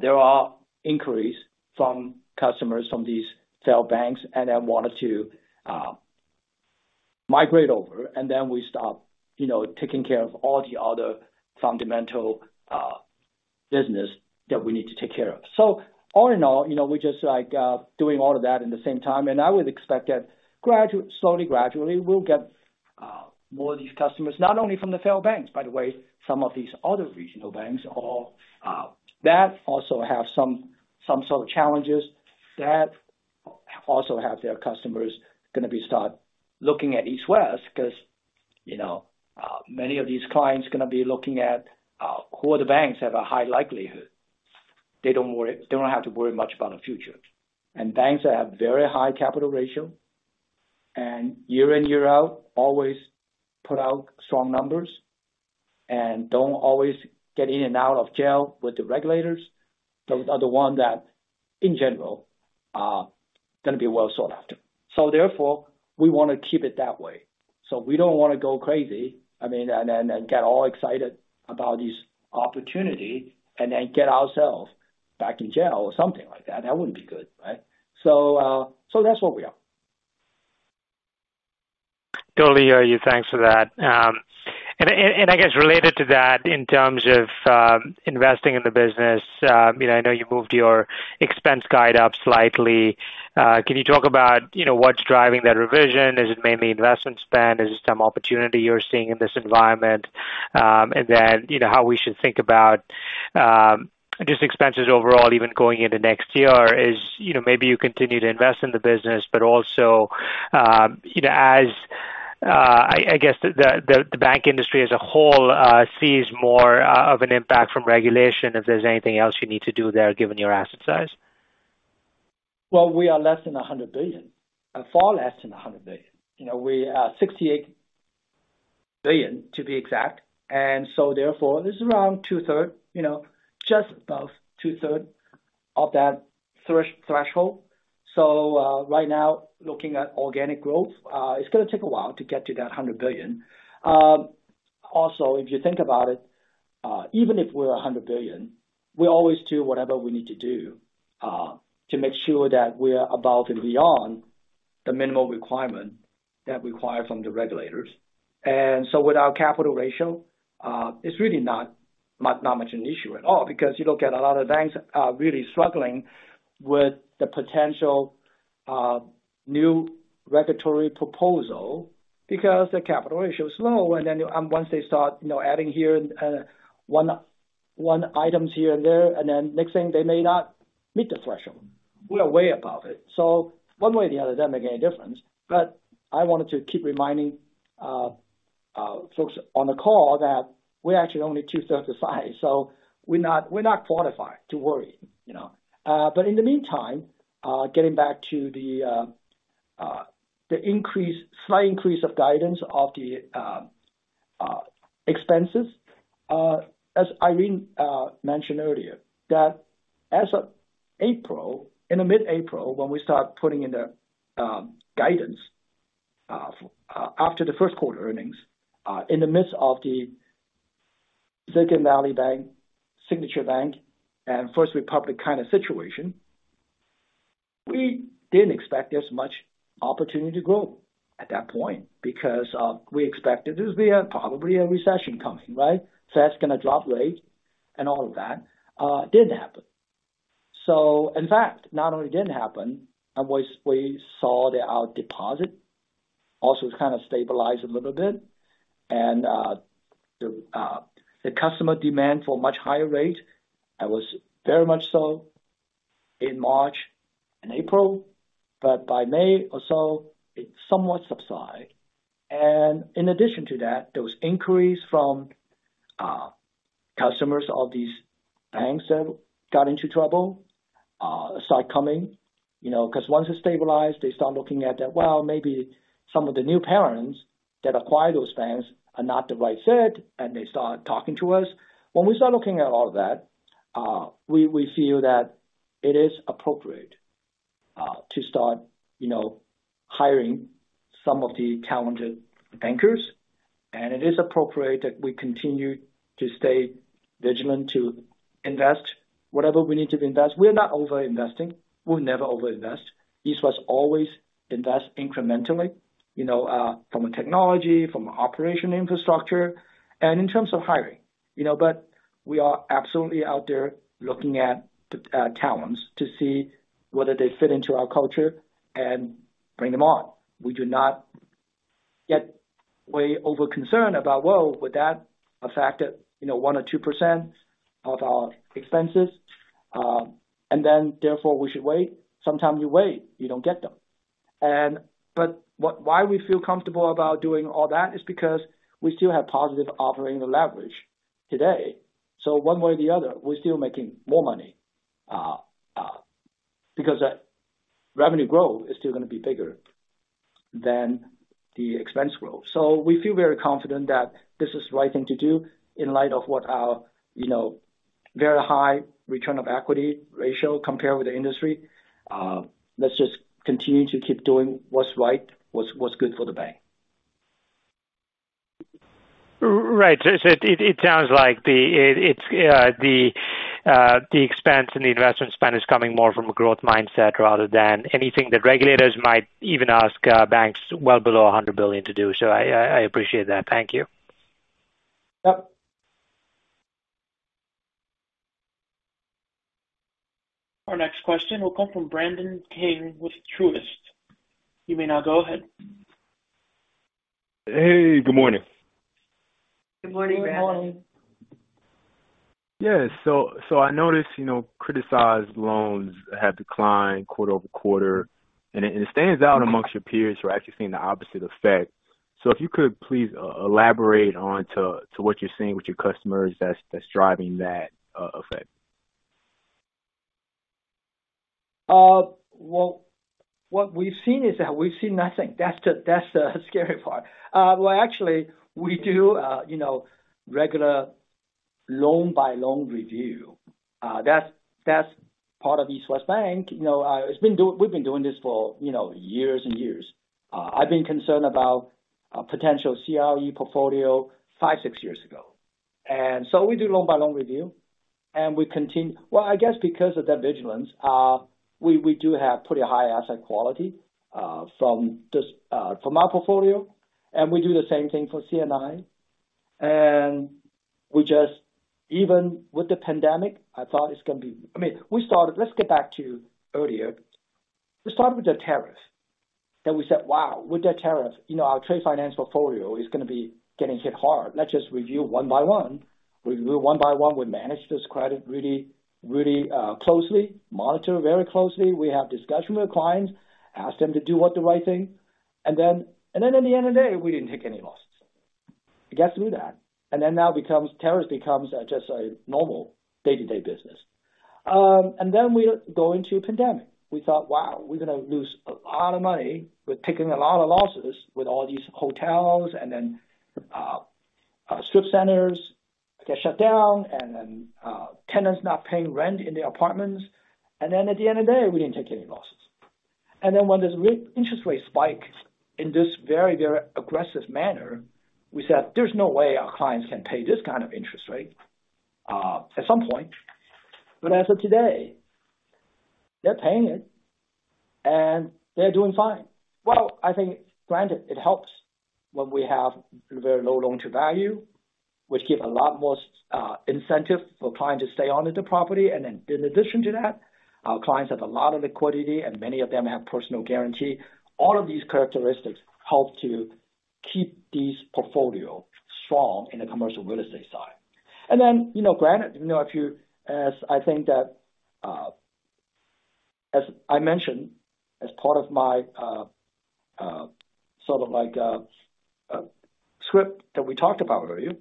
there are inquiries from customers from these failed banks and have wanted to migrate over, and then we stop, you know, taking care of all the other fundamental business that we need to take care of. All in all, you know, we're just, like, doing all of that at the same time, and I would expect that slowly, gradually, we'll get more of these customers, not only from the failed banks, by the way, some of these other regional banks or that also have some sort of challenges, that also have their customers gonna be start looking at East West. You know, many of these clients are gonna be looking at who are the banks have a high likelihood. They don't have to worry much about the future. Banks that have very high capital ratio, and year in, year out, always put out strong numbers, and don't always get in and out of jail with the regulators. Those are the ones that, in general, are gonna be well sought after. Therefore, we wanna keep it that way. We don't wanna go crazy, I mean, and get all excited about this opportunity and then get ourselves back in jail or something like that. That wouldn't be good, right? That's where we are. Totally hear you. Thanks for that. I guess related to that, in terms of investing in the business, you know, I know you moved your expense guide up slightly. Can you talk about, you know, what's driving that revision? Is it mainly investment spend? Is it some opportunity you're seeing in this environment? Then, you know, how we should think about just expenses overall, even going into next year, is, you know, maybe you continue to invest in the business, but also, you know, as I guess the bank industry as a whole sees more of an impact from regulation, if there's anything else you need to do there, given your asset size. We are less than $100 billion, far less than $100 billion. You know, we are $68 billion, to be exact. This is around two-third, just about two-third of that threshold. Right now, looking at organic growth, it's gonna take a while to get to that $100 billion. Also, if you think about it, even if we're $100 billion, we always do whatever we need to do, to make sure that we are above and beyond the minimum requirement that require from the regulators. With our capital ratio, it's really not much an issue at all, because you look at a lot of banks are really struggling with the potential new regulatory proposal because the capital ratio is low, and once they start, you know, adding here and one items here and there, and then next thing they may not meet the threshold. We're way above it. One way or the other, it doesn't make any difference. I wanted to keep reminding folks on the call that we're actually only two-thirds the size, so we're not, we're not qualified to worry, you know. In the meantime, getting back to the slight increase of guidance of the expenses. As Irene mentioned earlier, that as of April, in the mid-April, when we start putting in the guidance after the first quarter earnings, in the midst of the Silicon Valley Bank, Signature Bank, and First Republic kind of situation, we didn't expect as much opportunity to grow at that point because we expected there's be a, probably a recession coming, right? Fed's gonna drop rate and all of that. Didn't happen. In fact, not only it didn't happen, and we saw that our deposit also kind of stabilized a little bit. The customer demand for much higher rate, that was very much so in March and April, but by May or so, it somewhat subside. In addition to that, there was inquiries from customers of these banks that got into trouble, start coming, you know, 'cause once it stabilized, they start looking at that, well, maybe some of the new parents that acquired those banks are not the right fit, and they start talking to us. When we start looking at all that, we feel that it is appropriate to start, you know, hiring some of the talented bankers, and it is appropriate that we continue to stay vigilant to invest whatever we need to invest. We're not over-investing. We'll never over-invest. East West always invest incrementally, you know, from a technology, from operation infrastructure, and in terms of hiring, you know, but we are absolutely out there looking at the talents to see whether they fit into our culture and bring them on. We do not get way over concerned about, well, with that, a fact that, you know, 1% or 2% of our expenses, and then therefore, we should wait. Sometimes you wait, you don't get them. Why we feel comfortable about doing all that is because we still have positive operating leverage today. One way or the other, we're still making more money, because the revenue growth is still gonna be bigger than the expense growth. We feel very confident that this is the right thing to do in light of what our, you know, very high return of equity ratio compared with the industry. Let's just continue to keep doing what's right, what's good for the bank. Right. It sounds like the expense and the investment spend is coming more from a growth mindset rather than anything that regulators might even ask banks well below $100 billion to do. I appreciate that. Thank you. Yep. Our next question will come from Brandon King with Truist. You may now go ahead. Hey, good morning. Good morning, Brandon. Good morning. I noticed, you know, criticized loans have declined quarter-over-quarter, and it stands out amongst your peers who are actually seeing the opposite effect. If you could please elaborate on what you're seeing with your customers that's driving that effect. Well, what we've seen is that we've seen nothing. That's the scary part. Well, actually, we do, you know, regular loan-by-loan review. That's part of East West Bank. You know, it's been we've been doing this for, you know, years and years. I've been concerned about potential CRE portfolio five, six years ago. We do loan-by-loan review, and we continue. Well, I guess because of that vigilance, we do have pretty high asset quality from this, from our portfolio, and we do the same thing for C&I. We just-- even with the pandemic, I thought it's gonna be, I mean, we started, let's get back to earlier. We started with the tariff, we said, "Wow, with that tariff, you know, our trade finance portfolio is gonna be getting hit hard. Let's just review one by one." We review one by one. We managed this credit really closely, monitor very closely. We have discussion with clients, ask them to do what the right thing, and then at the end of the day, we didn't take any losses. I guess we do that. Now becomes, tariffs becomes, just a normal day-to-day business. We go into pandemic. We thought, "Wow, we're gonna lose a lot of money. We're taking a lot of losses with all these hotels, strip centers get shut down and tenants not paying rent in the apartments. At the end of the day, we didn't take any losses. When this interest rates spike in this very, very aggressive manner, we said, there's no way our clients can pay this kind of interest rate at some point. As of today, they're paying it, and they're doing fine. Well, I think, granted, it helps when we have very low loan to value, which give a lot more incentive for clients to stay on with the property. In addition to that, our clients have a lot of liquidity, and many of them have personal guarantee. All of these characteristics help to keep this portfolio strong in the commercial real estate side. You know, granted, you know, as I mentioned, as part of my script that we talked about earlier,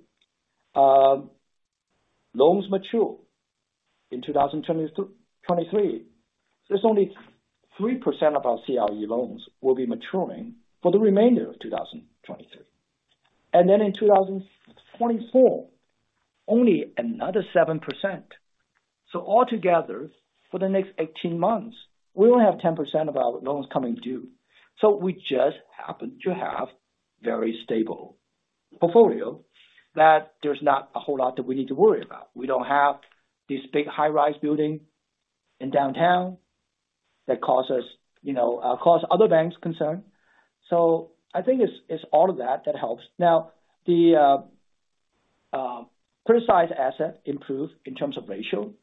loans mature in 2023. There's only 3% of our CRE loans will be maturing for the remainder of 2023. In 2024, only another 7%. Altogether, for the next 18 months, we only have 10% of our loans coming due. We just happen to have very stable portfolio that there's not a whole lot that we need to worry about. We don't have these big high-rise building in downtown that cause us, you know, cause other banks concern. I think it's all of that that helps. The criticized asset improved in terms of ratio.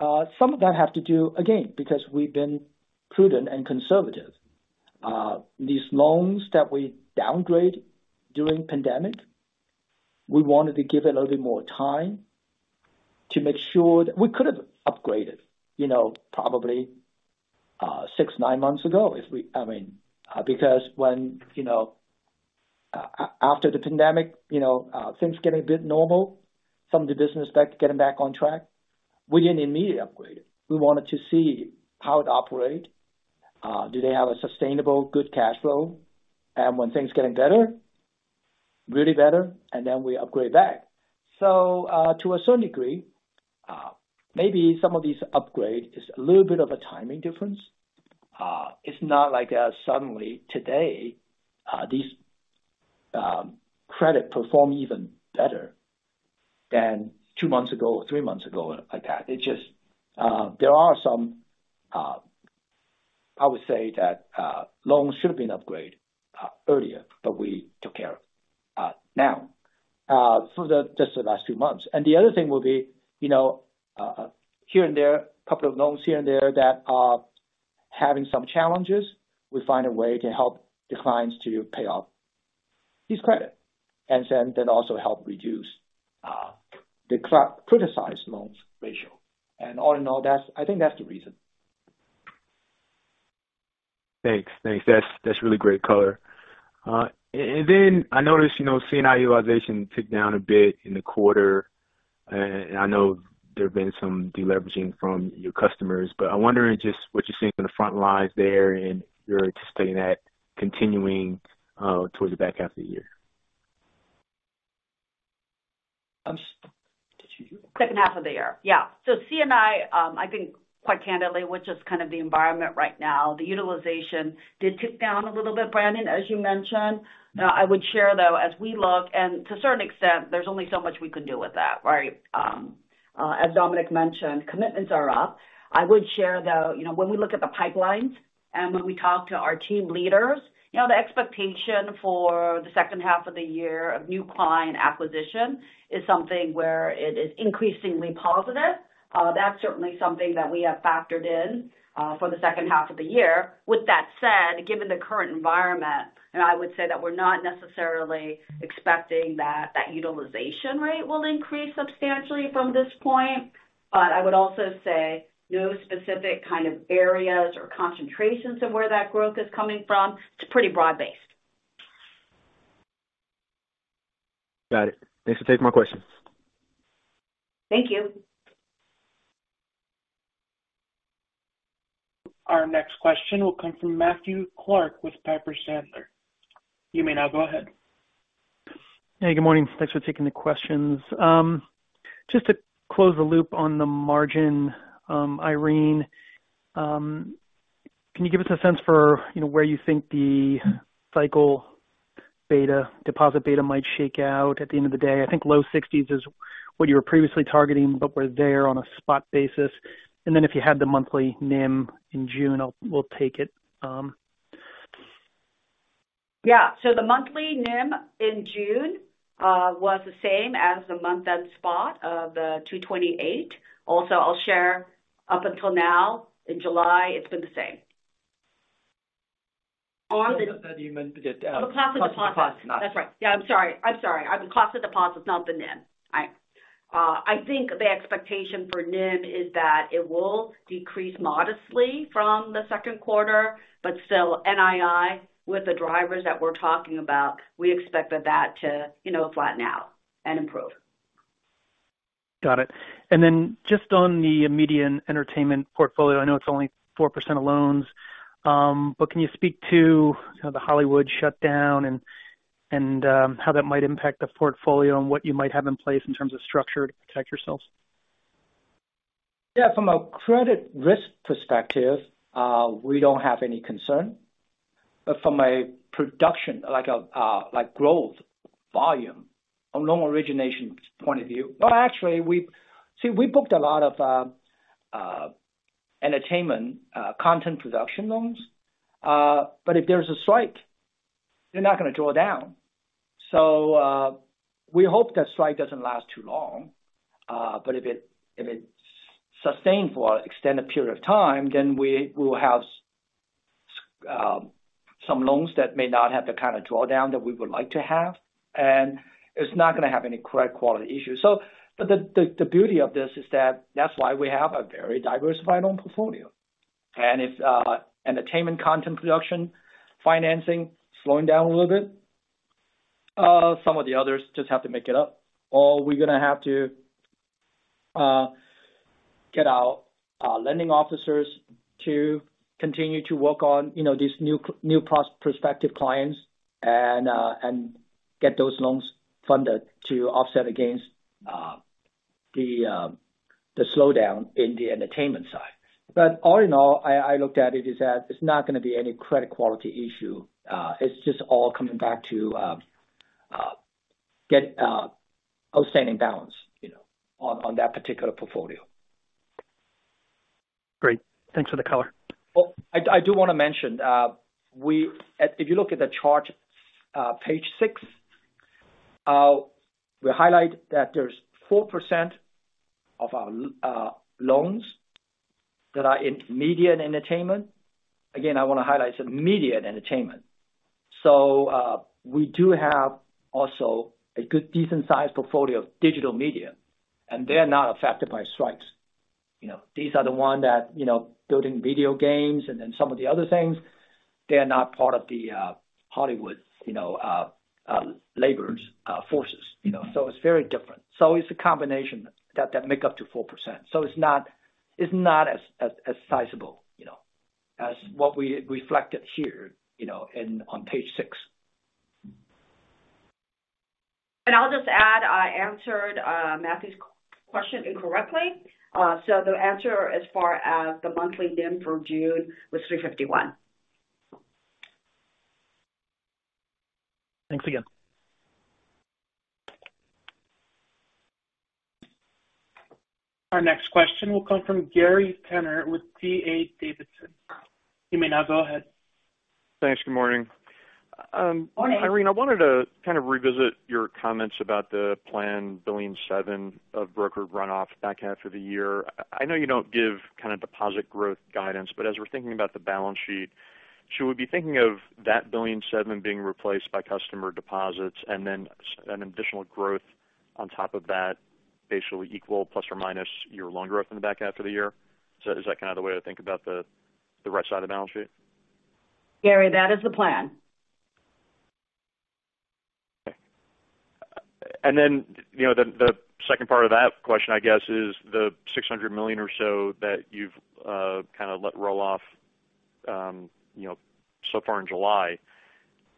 Some of that have to do, again, because we've been prudent and conservative. These loans that we downgrade during pandemic, we wanted to give it a little bit more time to make sure we could have upgraded, you know, probably, six, nine months ago. I mean, because when, you know, after the pandemic, you know, things get a bit normal from the business back, getting back on track, we didn't immediately upgrade. We wanted to see how it operate, do they have a sustainable, good cash flow? When things getting better, really better, and then we upgrade back. To a certain degree, maybe some of these upgrade is a little bit of a timing difference. It's not like suddenly today, these credit perform even better than two months ago or three months ago like that. It just, there are some, I would say that, loans should have been upgraded earlier, but we took care of now, through the just the last two months. The other thing will be, you know, here and there, a couple of loans here and there that are having some challenges. We find a way to help the clients to pay off these credit, and then that also help reduce, the criticized loans ratio. All in all, that's I think that's the reason. Thanks. Thanks. That's really great color. Then I noticed, you know, C&I utilization ticked down a bit in the quarter, and I know there have been some deleveraging from your customers, I'm wondering just what you're seeing on the front lines there, and you're expecting that continuing towards the back half of the year? Did you? Second half of the year. Yeah. C&I think, quite candidly, with just kind of the environment right now, the utilization did tick down a little bit, Brandon, as you mentioned. I would share, though, as we look to a certain extent, there's only so much we could do with that, right? As Dominic mentioned, commitments are up. I would share, though, you know, when we look at the pipelines and when we talk to our team leaders, you know, the expectation for the second half of the year of new client acquisition is something where it is increasingly positive. That's certainly something that we have factored in for the second half of the year. With that said, given the current environment, I would say that we're not necessarily expecting that that utilization rate will increase substantially from this point. I would also say no specific kind of areas or concentrations of where that growth is coming from. It's pretty broad-based. Got it. Thanks for taking my questions. Thank you. Our next question will come from Matthew Clark with Piper Sandler. You may now go ahead. Hey, good morning. Thanks for taking the questions. Just to close the loop on the margin, Irene, can you give us a sense for, you know, where you think the cycle beta, deposit beta might shake out at the end of the day? I think low 60s% is what you were previously targeting, but we're there on a spot basis. If you had the monthly NIM in June, we'll take it. Yeah. The monthly NIM in June was the same as the month-end spot of 2.28%. Also, I'll share up until now, in July, it's been the same. The cost of deposit. That's right. Yeah, I'm sorry. On the cost of deposits, not the NIM. All right. I think the expectation for NIM is that it will decrease modestly from the second quarter, still NII, with the drivers that we're talking about, we expected that to, you know, flatten out and improve. Got it. Then just on the media and entertainment portfolio, I know it's only 4% of loans, but can you speak to the Hollywood shutdown and how that might impact the portfolio and what you might have in place in terms of structure to protect yourselves? Yeah, from a credit risk perspective, we don't have any concern. From a production, like growth volume on loan origination point of view. Well, actually, we booked a lot of entertainment content production loans. If there's a strike, they're not going to draw down. We hope that strike doesn't last too long, but if it's sustained for an extended period of time, then we will have some loans that may not have the kind of drawdown that we would like to have, and it's not going to have any credit quality issues. The beauty of this is that that's why we have a very diversified loan portfolio. If entertainment content production, financing slowing down a little bit, some of the others just have to make it up, or we're going to have to get our lending officers to continue to work on, you know, these new prospective clients and get those loans funded to offset against the slowdown in the entertainment side. All in all, I looked at it, is that it's not going to be any credit quality issue. It's just all coming back to get outstanding balance, you know, on that particular portfolio. Great. Thanks for the color. I do want to mention, if you look at the chart, page six, we highlight that there's 4% of our loans that are in media and entertainment. I want to highlight, it's media and entertainment. We do have also a good, decent-sized portfolio of digital media, and they're not affected by strikes. You know, these are the ones that, you know, building video games and then some of the other things. They are not part of the Hollywood, you know, labor forces, you know, it's very different. It's a combination that make up to 4%. It's not as sizable, you know, as what we reflected here, you know, on page six. I'll just add, I answered Matthew's question incorrectly. The answer as far as the monthly NIM for June was 3.51%. Thanks again. Our next question will come from Gary Tenner with D.A. Davidson. You may now go ahead. Thanks. Good morning. Morning. Irene, I wanted to kind of revisit your comments about the planned $1.7 billion of broker runoff back half of the year. I know you don't give kind of deposit growth guidance, as we're thinking about the balance sheet, should we be thinking of that $1.7 billion being replaced by customer deposits and then an additional growth on top of that, basically equal, plus or minus your loan growth in the back half of the year? Is that kind of the way to think about the right side of the balance sheet? Gary, that is the plan. Okay. You know, the second part of that question, I guess, is the $600 million or so that you've kind of let roll off, you know, so far in July,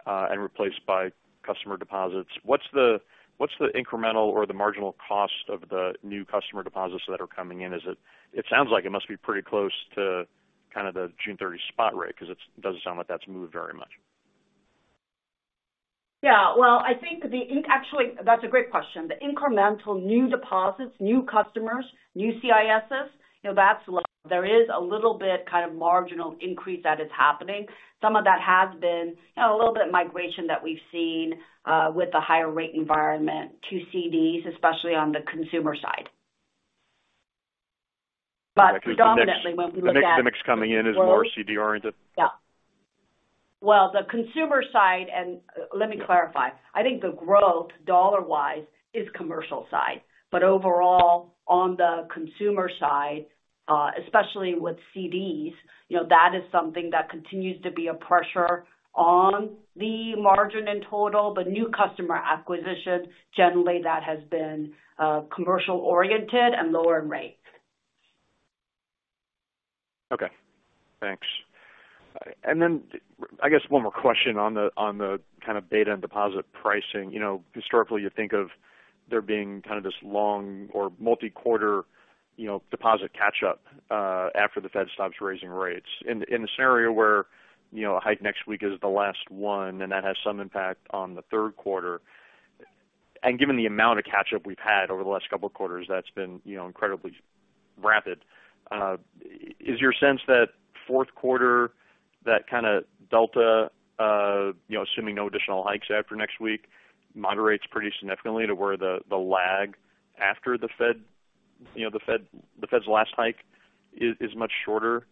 and replaced by customer deposits. What's the, what's the incremental or the marginal cost of the new customer deposits that are coming in? It sounds like it must be pretty close to kind of the June 30 spot rate, because it's, doesn't sound like that's moved very much. Yeah, well, I think actually, that's a great question. The incremental new deposits, new customers, new CISs, you know, that's there is a little bit kind of marginal increase that is happening. Some of that has been, you know, a little bit of migration that we've seen with the higher rate environment to CDs, especially on the consumer side. Predominantly, when we look at. The mix coming in is more CD oriented? Yeah. Well, the consumer side. Let me clarify. I think the growth, dollar-wise, is commercial side, but overall, on the consumer side, especially with CDs, you know, that is something that continues to be a pressure on the margin in total, but new customer acquisition, generally, that has been commercial oriented and lower in rate. Okay, thanks. I guess one more question on the, on the kind of data and deposit pricing. You know, historically, you think of there being kind of this long or multi-quarter, you know, deposit catch-up after the Fed stops raising rates. In this scenario, where, you know, a hike next week is the last one, and that has some impact on the third quarter, and given the amount of catch-up we've had over the last couple of quarters, that's been, you know, incredibly rapid. Is your sense that fourth quarter, that kind of delta, you know, assuming no additional hikes after next week, moderates pretty significantly to where the lag after the Fed, you know, the Fed's last hike is much shorter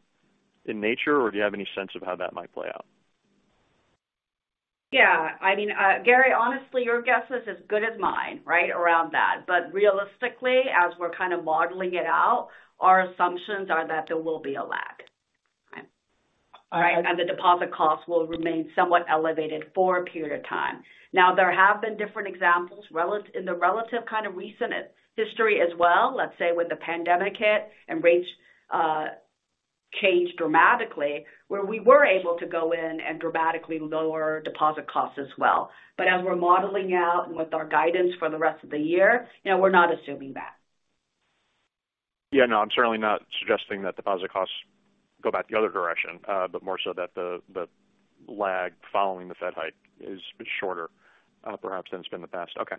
in nature, or do you have any sense of how that might play out? Yeah. I mean, Gary, honestly, your guess is as good as mine, right, around that. Realistically, as we're kind of modeling it out, our assumptions are that there will be a lag. Okay? All right. The deposit costs will remain somewhat elevated for a period of time. Now, there have been different examples in the relative kind of recent history as well. Let's say, when the pandemic hit and rates change dramatically, where we were able to go in and dramatically lower deposit costs as well. As we're modeling out and with our guidance for the rest of the year, you know, we're not assuming that. Yeah, no, I'm certainly not suggesting that deposit costs go back the other direction, but more so that the lag following the Fed hike is shorter, perhaps than it's been in the past. Okay.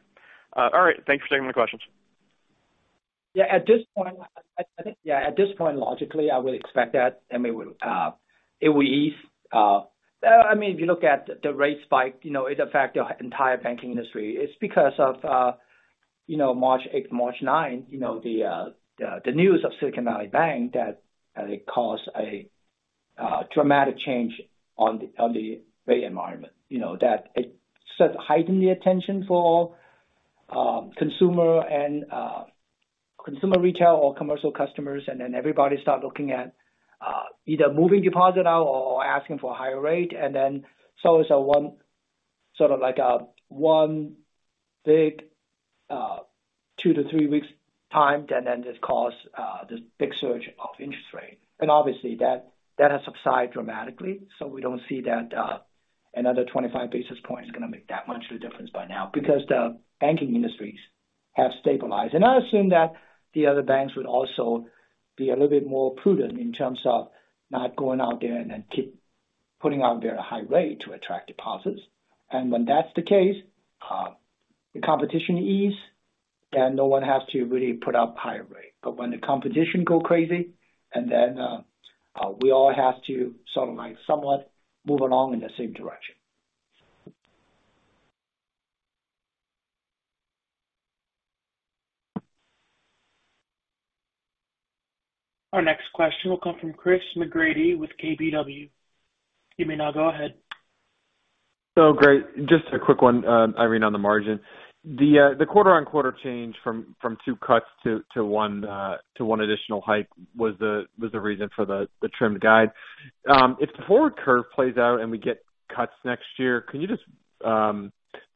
All right. Thanks for taking my questions. Yeah, at this point, I think, logically, I would expect that, I mean, it will ease. I mean, if you look at the rate spike, you know, it affect the entire banking industry. It's because of, you know, March eighth, March ninth, you know, the news of Silicon Valley Bank that it caused a dramatic change on the rate environment, you know, that it sort of heightened the attention for consumer and consumer retail or commercial customers, and then everybody start looking at either moving deposit out or asking for a higher rate. It's sort of like a one big two to three weeks time, and then this caused this big surge of interest rate. Obviously that has subsided dramatically, so we don't see that, another 25 basis points is gonna make that much of a difference by now, because the banking industries have stabilized. I assume that the other banks would also be a little bit more prudent in terms of not going out there and then keep putting out their high rate to attract deposits. When that's the case, the competition ease, and no one has to really put up higher rate. When the competition go crazy, and then, we all have to sort of like somewhat move along in the same direction. Our next question will come from Chris McGratty with KBW. You may now go ahead. Great. Just a quick one, Irene, on the margin. The quarter-on-quarter change from two cuts to one additional hike was the reason for the trimmed guide. If the forward curve plays out and we get cuts next year, can you just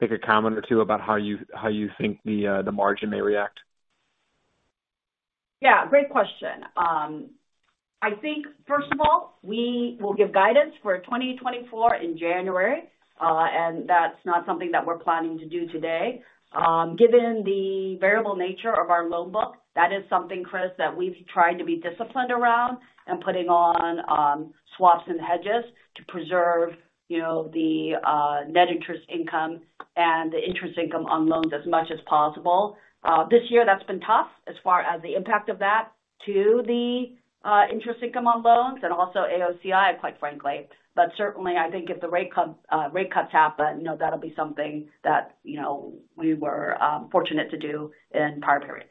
make a comment or two about how you, how you think the margin may react? Great question. I think, first of all, we will give guidance for 2024 in January, and that's not something that we're planning to do today. Given the variable nature of our loan book, that is something, Chris, that we've tried to be disciplined around and putting on swaps and hedges to preserve, you know, the net interest income and the interest income on loans as much as possible. This year, that's been tough as far as the impact of that to the interest income on loans and also AOCI, quite frankly. Certainly, I think if the rate cut, rate cuts happen, you know, that'll be something that, you know, we were fortunate to do in prior periods.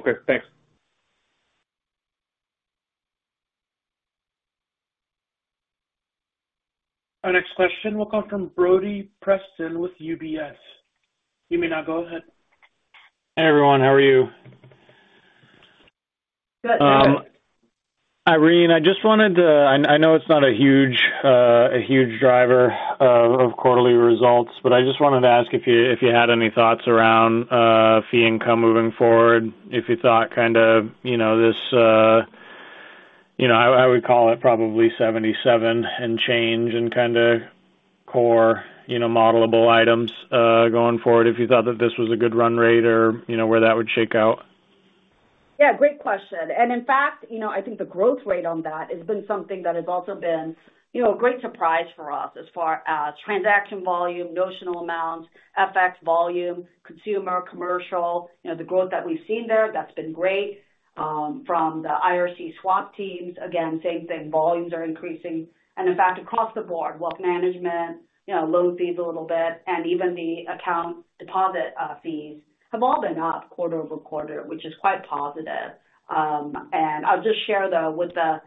Okay, thanks. Our next question will come from Brody Preston with UBS. You may now go ahead. Hi, everyone. How are you? Good. Irene, I just wanted to, I know it's not a huge driver of quarterly results, but I just wanted to ask if you had any thoughts around fee income moving forward, if you thought kind of, you know, this, you know, I would call it probably $77 and change in kind of core, you know, modelable items going forward, if you thought that this was a good run rate or, you know, where that would shake out. Yeah, great question. In fact, you know, I think the growth rate on that has been something that has also been, you know, a great surprise for us as far as transaction volume, notional amounts, FX volume, consumer, commercial, you know, the growth that we've seen there, that's been great. From the IRS swap teams, again, same thing, volumes are increasing. In fact, across the board, wealth management, you know, loan fees a little bit, and even the account deposit fees have all been up quarter-over-quarter, which is quite positive. I'll just share, though, with the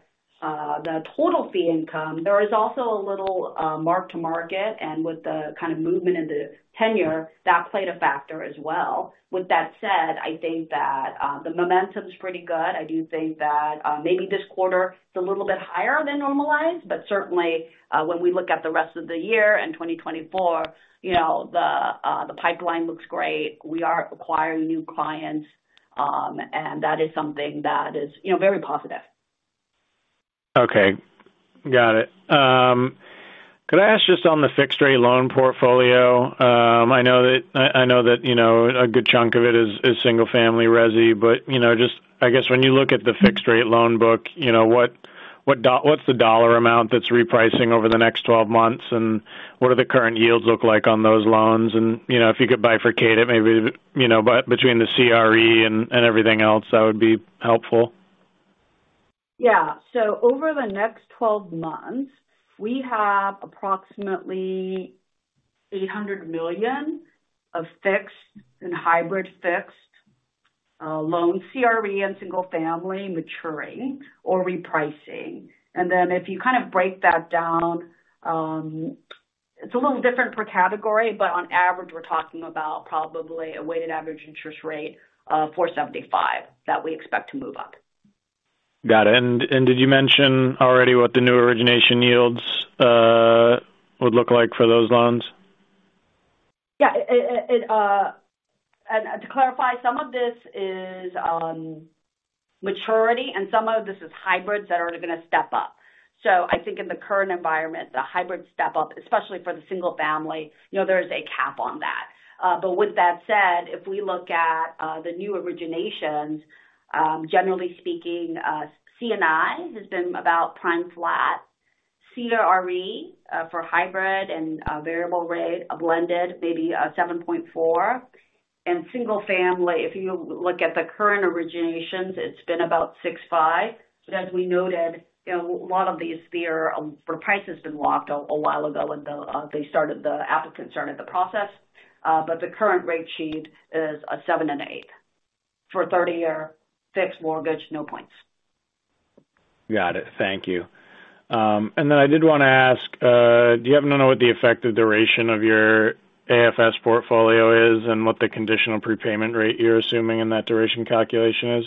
total fee income, there is also a little mark-to-market, and with the kind of movement in the tenure, that played a factor as well. With that said, I think that the momentum is pretty good. I do think that, maybe this quarter is a little bit higher than normalized. Certainly, when we look at the rest of the year and 2024, you know, the pipeline looks great. We are acquiring new clients. That is something that is, you know, very positive. Okay, got it. Could I ask just on the fixed rate loan portfolio? I know that, you know, a good chunk of it is single family resi, but, you know, just I guess when you look at the fixed rate loan book, you know, what's the dollar amount that's repricing over the next 12 months, and what are the current yields look like on those loans? You know, if you could bifurcate it, maybe, you know, between the CRE and everything else, that would be helpful. Yeah. Over the next 12 months, we have approximately $800 million of fixed and hybrid fixed loan CRE and single family maturing or repricing. If you kind of break that down, it's a little different per category, but on average, we're talking about probably a weighted average interest rate of 4.75% that we expect to move up. Got it. Did you mention already what the new origination yields, would look like for those loans? Yeah, it, To clarify, some of this is maturity and some of this is hybrids that are going to step up. I think in the current environment, the hybrid step up, especially for the single family, you know, there is a cap on that. With that said, if we look at the new originations, generally speaking, C&I has been about prime flat, CRE for hybrid and variable rate, a blended maybe 7.4. Single family, if you look at the current originations, it's been about 6.5. As we noted, you know, a lot of these, where price has been locked a while ago and they started the applicants started the process. The current rate sheet is a seven and eight for a 30-year fixed mortgage, no points. Got it. Thank you. I did want to ask, do you happen to know what the effective duration of your AFS portfolio is and what the conditional prepayment rate you're assuming in that duration calculation is?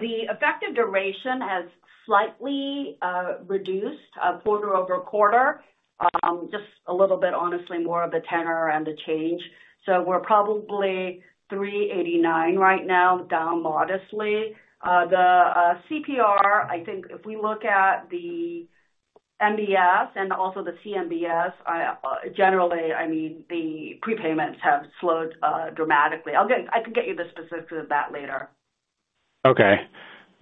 The effective duration has slightly reduced quarter-over-quarter. Just a little bit, honestly, more of the tenor and the change. We're probably 389 right now, down modestly. The CPR, I think if we look at the MBS and also the CMBS, I generally, I mean, the prepayments have slowed dramatically. I can get you the specifics of that later. Okay,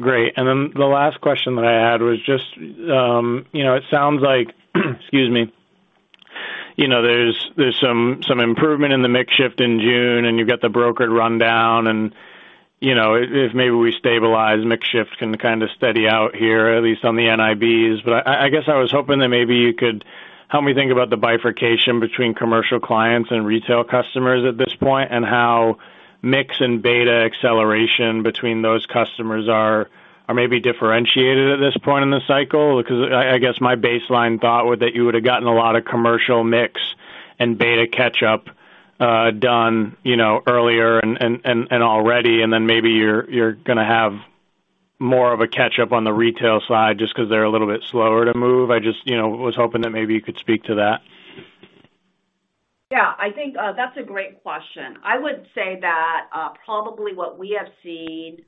great. The last question that I had was just, you know, it sounds like, excuse me, you know, there's some improvement in the mix shift in June, and you've got the brokered rundown. You know, if maybe we stabilize, mix shift can kind of steady out here, at least on the NIBs. I guess I was hoping that maybe you could help me think about the bifurcation between commercial clients and retail customers at this point, and how mix and beta acceleration between those customers are maybe differentiated at this point in the cycle. I guess my baseline thought was that you would have gotten a lot of commercial mix and beta catch up done, you know, earlier and already, and then maybe you're going to have more of a catch up on the retail side just because they're a little bit slower to move. I just, you know, was hoping that maybe you could speak to that. Yeah, I think that's a great question. I would say that probably what we have seen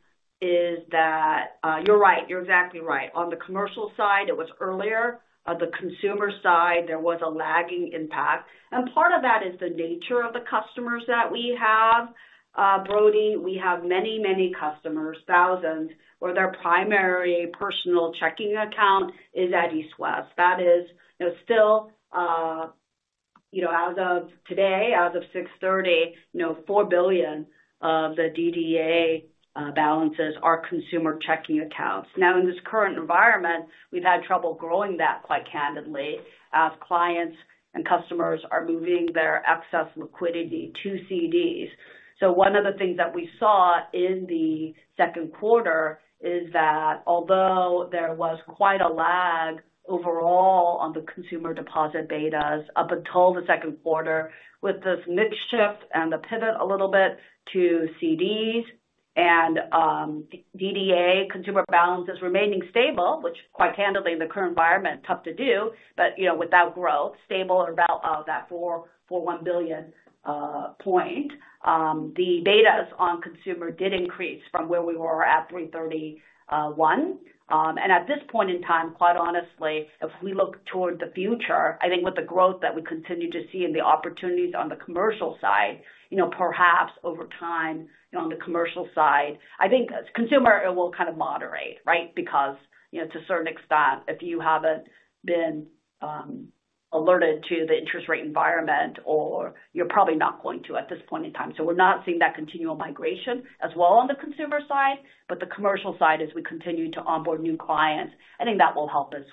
is that you're right. You're exactly right. On the commercial side, it was earlier. On the consumer side, there was a lagging impact, and part of that is the nature of the customers that we have. Brody, we have many, many customers, thousands, where their primary personal checking account is at East West. That is, you know, still, you know, as of today, as of 6:30, you know, $4 billion of the DDA balances are consumer checking accounts. Now, in this current environment, we've had trouble growing that, quite candidly, as clients and customers are moving their excess liquidity to CDs. One of the things that we saw in the second quarter is that although there was quite a lag overall on the consumer deposit betas up until the second quarter, with this mix shift and the pivot a little bit to CDs and DDA consumer balances remaining stable, which quite candidly, in the current environment, tough to do, but, you know, without growth, stable at about that $4.41 billion point. The betas on consumer did increase from where we were at 331. At this point in time, quite honestly, if we look toward the future, I think with the growth that we continue to see and the opportunities on the commercial side, you know, perhaps over time, you know, on the commercial side, I think as consumer, it will kind of moderate, right? You know, to a certain extent, if you haven't been alerted to the interest rate environment, or you're probably not going to at this point in time. We're not seeing that continual migration as well on the consumer side, but the commercial side, as we continue to onboard new clients, I think that will help us.